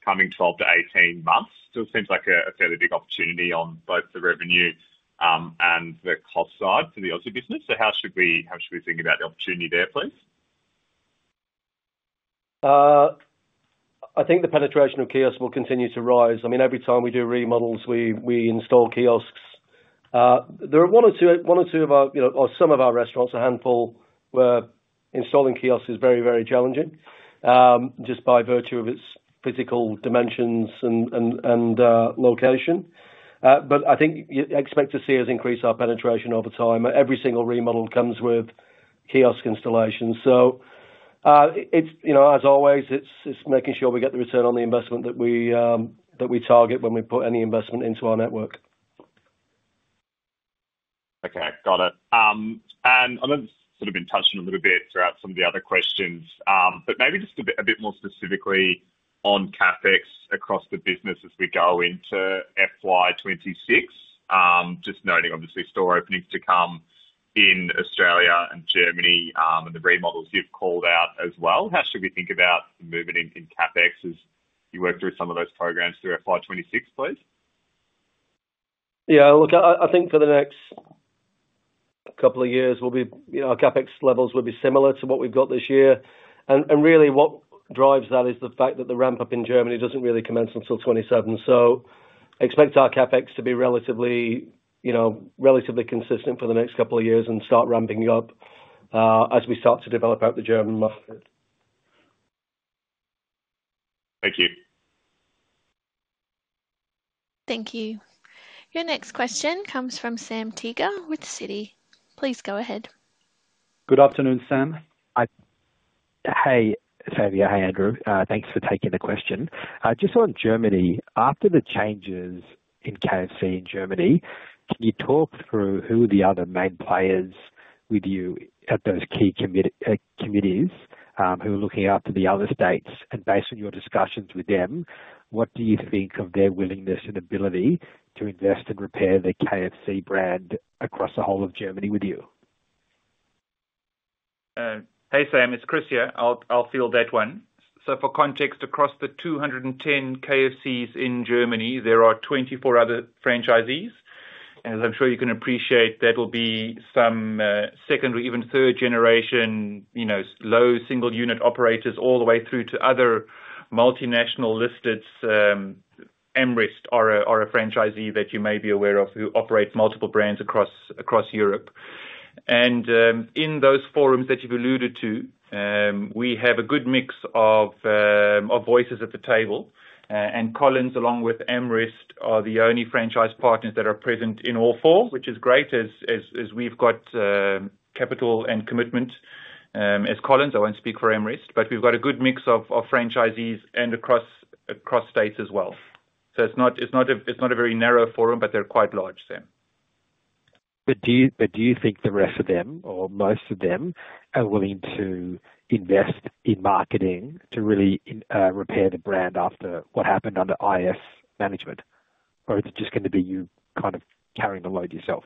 coming 12 months-18 months? It still seems like a fairly big opportunity on both the revenue and the cost side for the Aussie business. How should we think about the opportunity there, please? I think the penetration of kiosks will continue to rise. I mean, every time we do remodels, we install kiosks. There are one or two of our or some of our restaurants, a handful, where installing kiosks is very, very challenging just by virtue of its physical dimensions and location. I think you expect to see us increase our penetration over time. Every single remodel comes with kiosk installation. As always, it's making sure we get the return on the investment that we target when we put any investment into our network. Okay. Got it. I've sort of been touched on a little bit throughout some of the other questions, but maybe just a bit more specifically on CapEx across the business as we go into FY 2026. Just noting, obviously, store openings to come in Australia and Germany and the remodels you've called out as well. How should we think about moving in CapEx as you work through some of those programs through FY 2026, please? Yeah. Look, I think for the next couple of years, our CapEx levels will be similar to what we've got this year. Really, what drives that is the fact that the ramp-up in Germany does not really commence until 2027. Expect our CapEx to be relatively consistent for the next couple of years and start ramping up as we start to develop out the German market. Thank you. Thank you. Your next question comes from Sam Teeger with Citi. Please go ahead. Good afternoon, Sam. Hey, Xavier. Hey, Andrew. Thanks for taking the question. Just on Germany, after the changes in KFC in Germany, can you talk through who the other main players with you at those key committees who are looking after the other states? Based on your discussions with them, what do you think of their willingness and ability to invest and repair the KFC brand across the whole of Germany with you? Hey, Sam. It's Chris here. I'll field that one. For context, across the 210 KFCs in Germany, there are 24 other franchisees. As I'm sure you can appreciate, that will be some second or even third-generation low single-unit operators all the way through to other multinational listeds. AmRest are a franchisee that you may be aware of who operate multiple brands across Europe. In those forums that you've alluded to, we have a good mix of voices at the table. Collins, along with AmRest, are the only franchise partners that are present in all four, which is great as we've got capital and commitment as Collins. I won't speak for AmRest, but we've got a good mix of franchisees and across states as well. It's not a very narrow forum, but they're quite large, Sam. Do you think the rest of them or most of them are willing to invest in marketing to really repair the brand after what happened under IS management? Or is it just going to be you kind of carrying the load yourself?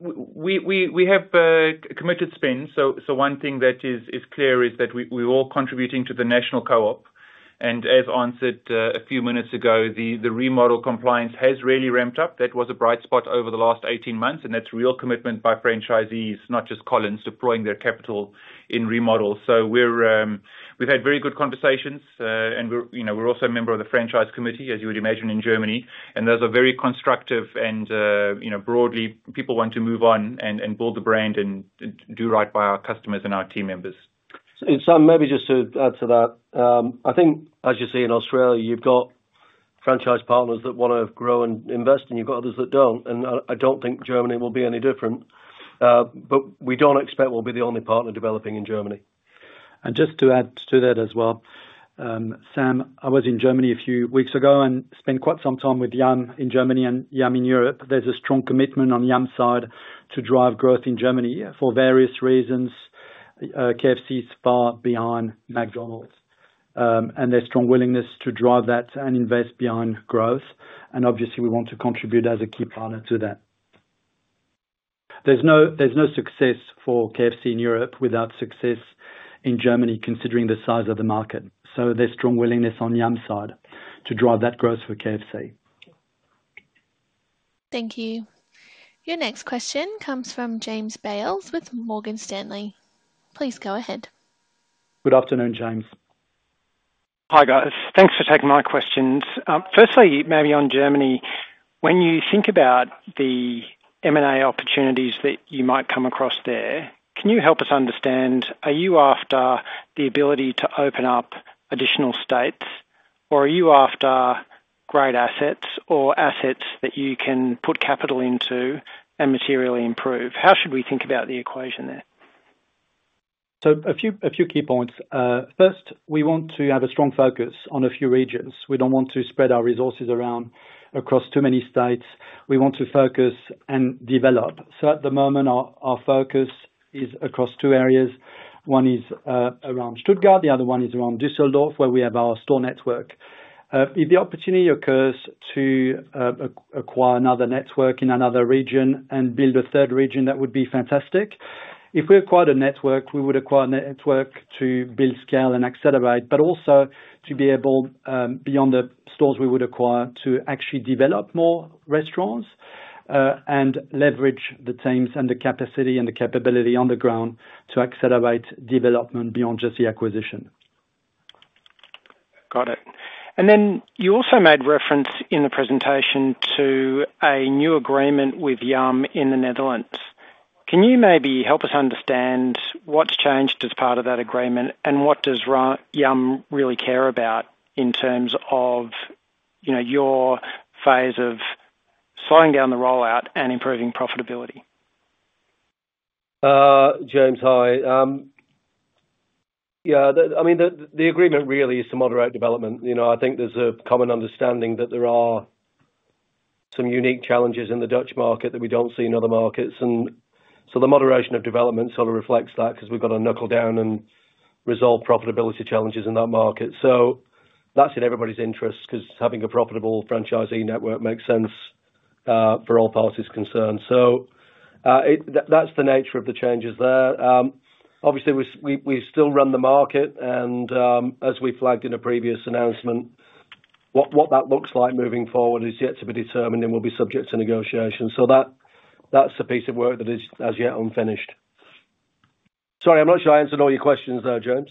We have committed spend. One thing that is clear is that we're all contributing to the national co-op. As answered a few minutes ago, the remodel compliance has really ramped up. That was a bright spot over the last 18 months. That is real commitment by franchisees, not just Collins deploying their capital in remodels. We have had very good conversations. We are also a member of the franchise committee, as you would imagine, in Germany. Those are very constructive and broadly people want to move on and build the brand and do right by our customers and our team members. Maybe just to add to that, I think, as you see in Australia, you've got franchise partners that want to grow and invest, and you've got others that don't. I don't think Germany will be any different. We don't expect we'll be the only partner developing in Germany. Just to add to that as well, Sam, I was in Germany a few weeks ago and spent quite some time with Yum in Germany and Yum in Europe. There is a strong commitment on Yum's side to drive growth in Germany for various reasons. KFC is far behind McDonald's. There is strong willingness to drive that and invest beyond growth. Obviously, we want to contribute as a key partner to that. There is no success for KFC in Europe without success in Germany, considering the size of the market. There is strong willingness on Yum's side to drive that growth for KFC. Thank you. Your next question comes from James Bales with Morgan Stanley. Please go ahead. Good afternoon, James. Hi guys. Thanks for taking my questions. Firstly, maybe on Germany, when you think about the M&A opportunities that you might come across there, can you help us understand, are you after the ability to open up additional states, or are you after great assets or assets that you can put capital into and materially improve? How should we think about the equation there? A few key points. First, we want to have a strong focus on a few regions. We do not want to spread our resources around across too many states. We want to focus and develop. At the moment, our focus is across two areas. One is around Stuttgart. The other one is around Düsseldorf, where we have our store network. If the opportunity occurs to acquire another network in another region and build a third region, that would be fantastic. If we acquired a network, we would acquire a network to build scale and accelerate, but also to be able, beyond the stores we would acquire, to actually develop more restaurants and leverage the teams and the capacity and the capability on the ground to accelerate development beyond just the acquisition. Got it. You also made reference in the presentation to a new agreement with Yum! Brands in the Netherlands. Can you maybe help us understand what's changed as part of that agreement, and what does Yum! really care about in terms of your phase of slowing down the rollout and improving profitability? James, hi. Yeah. I mean, the agreement really is to moderate development. I think there's a common understanding that there are some unique challenges in the Dutch market that we don't see in other markets. The moderation of development sort of reflects that because we've got to knuckle down and resolve profitability challenges in that market. That's in everybody's interest because having a profitable franchisee network makes sense for all parties concerned. That's the nature of the changes there. Obviously, we still run the market. As we flagged in a previous announcement, what that looks like moving forward is yet to be determined and will be subject to negotiation. That's a piece of work that is as yet unfinished. Sorry, I'm not sure I answered all your questions there, James.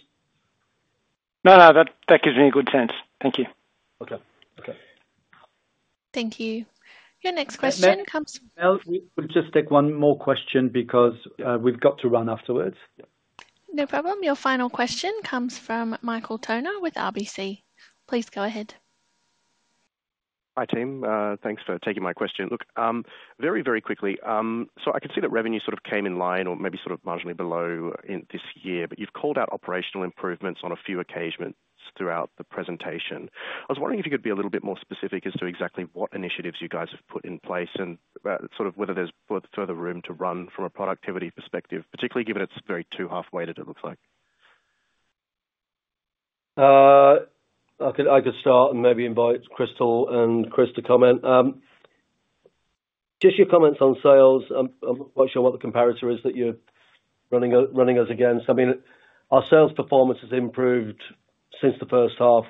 No, no. That gives me a good sense. Thank you. Okay. Okay. Thank you. Your next question comes from. We'll just take one more question because we've got to run afterwards. No problem. Your final question comes from Michael Toner with RBC. Please go ahead. Hi, team. Thanks for taking my question. Look, very, very quickly, I can see that revenue sort of came in line or maybe sort of marginally below this year, but you've called out operational improvements on a few occasions throughout the presentation. I was wondering if you could be a little bit more specific as to exactly what initiatives you guys have put in place and sort of whether there's further room to run from a productivity perspective, particularly given it's very two-half weighted, it looks like. I could start and maybe invite Krystal and Chris to comment. Just your comments on sales, I'm not quite sure what the comparator is that you're running us against. I mean, our sales performance has improved since the first half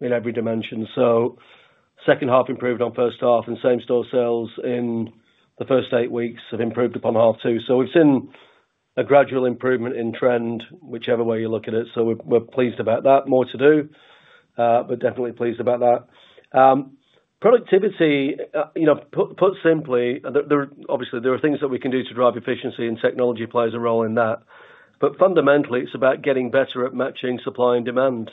in every dimension. Second half improved on first half, and same-store sales in the first eight weeks have improved upon half two. We have seen a gradual improvement in trend, whichever way you look at it. We are pleased about that. More to do, but definitely pleased about that. Productivity, put simply, obviously, there are things that we can do to drive efficiency, and technology plays a role in that. Fundamentally, it is about getting better at matching supply and demand.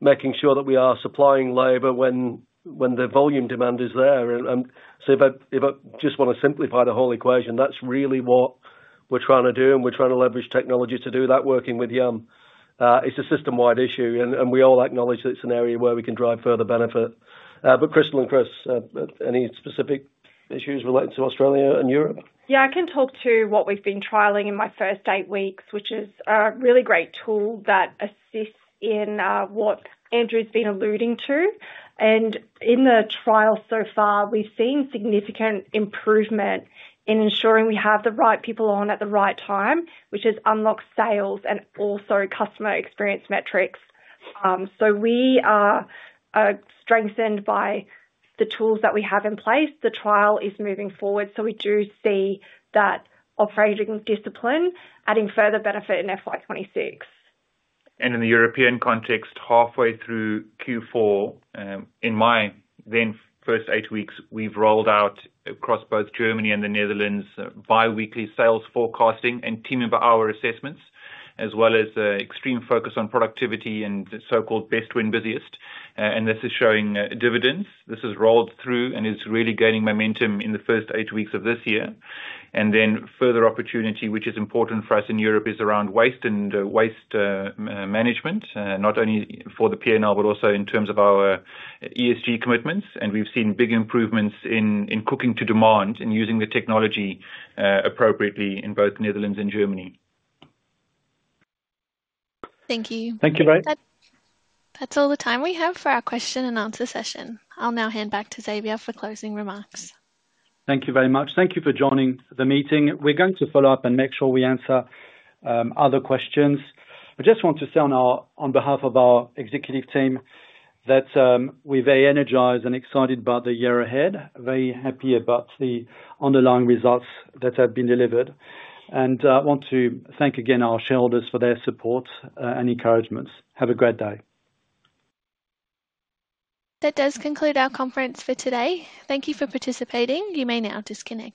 Making sure that we are supplying labor when the volume demand is there. If I just want to simplify the whole equation, that's really what we're trying to do, and we're trying to leverage technology to do that working with Yum!. It's a system-wide issue, and we all acknowledge that it's an area where we can drive further benefit. But Krystal and Chris, any specific issues relating to Australia and Europe? Yeah, I can talk to what we've been trialing in my first eight weeks, which is a really great tool that assists in what Andrew's been alluding to. In the trial so far, we've seen significant improvement in ensuring we have the right people on at the right time, which has unlocked sales and also customer experience metrics. We are strengthened by the tools that we have in place. The trial is moving forward, and we do see that operating discipline adding further benefit in FY 2026. In the European context, halfway through Q4, in my then first eight weeks, we have rolled out across both Germany and the Netherlands biweekly sales forecasting and team member hour assessments, as well as extreme focus on productivity and so-called best when busiest. This is showing dividends. This has rolled through and is really gaining momentum in the first eight weeks of this year. Further opportunity, which is important for us in Europe, is around waste and waste management, not only for the P&L, but also in terms of our ESG commitments. We have seen big improvements in cooking to demand and using the technology appropriately in both Netherlands and Germany. Thank you. Thank you very much. That's all the time we have for our question and answer session. I'll now hand back to Xavier for closing remarks. Thank you very much. Thank you for joining the meeting. We're going to follow up and make sure we answer other questions. I just want to say on behalf of our executive team that we're very energized and excited about the year ahead. Very happy about the underlying results that have been delivered. I want to thank again our shareholders for their support and encouragements. Have a great day. That does conclude our conference for today. Thank you for participating. You may now disconnect.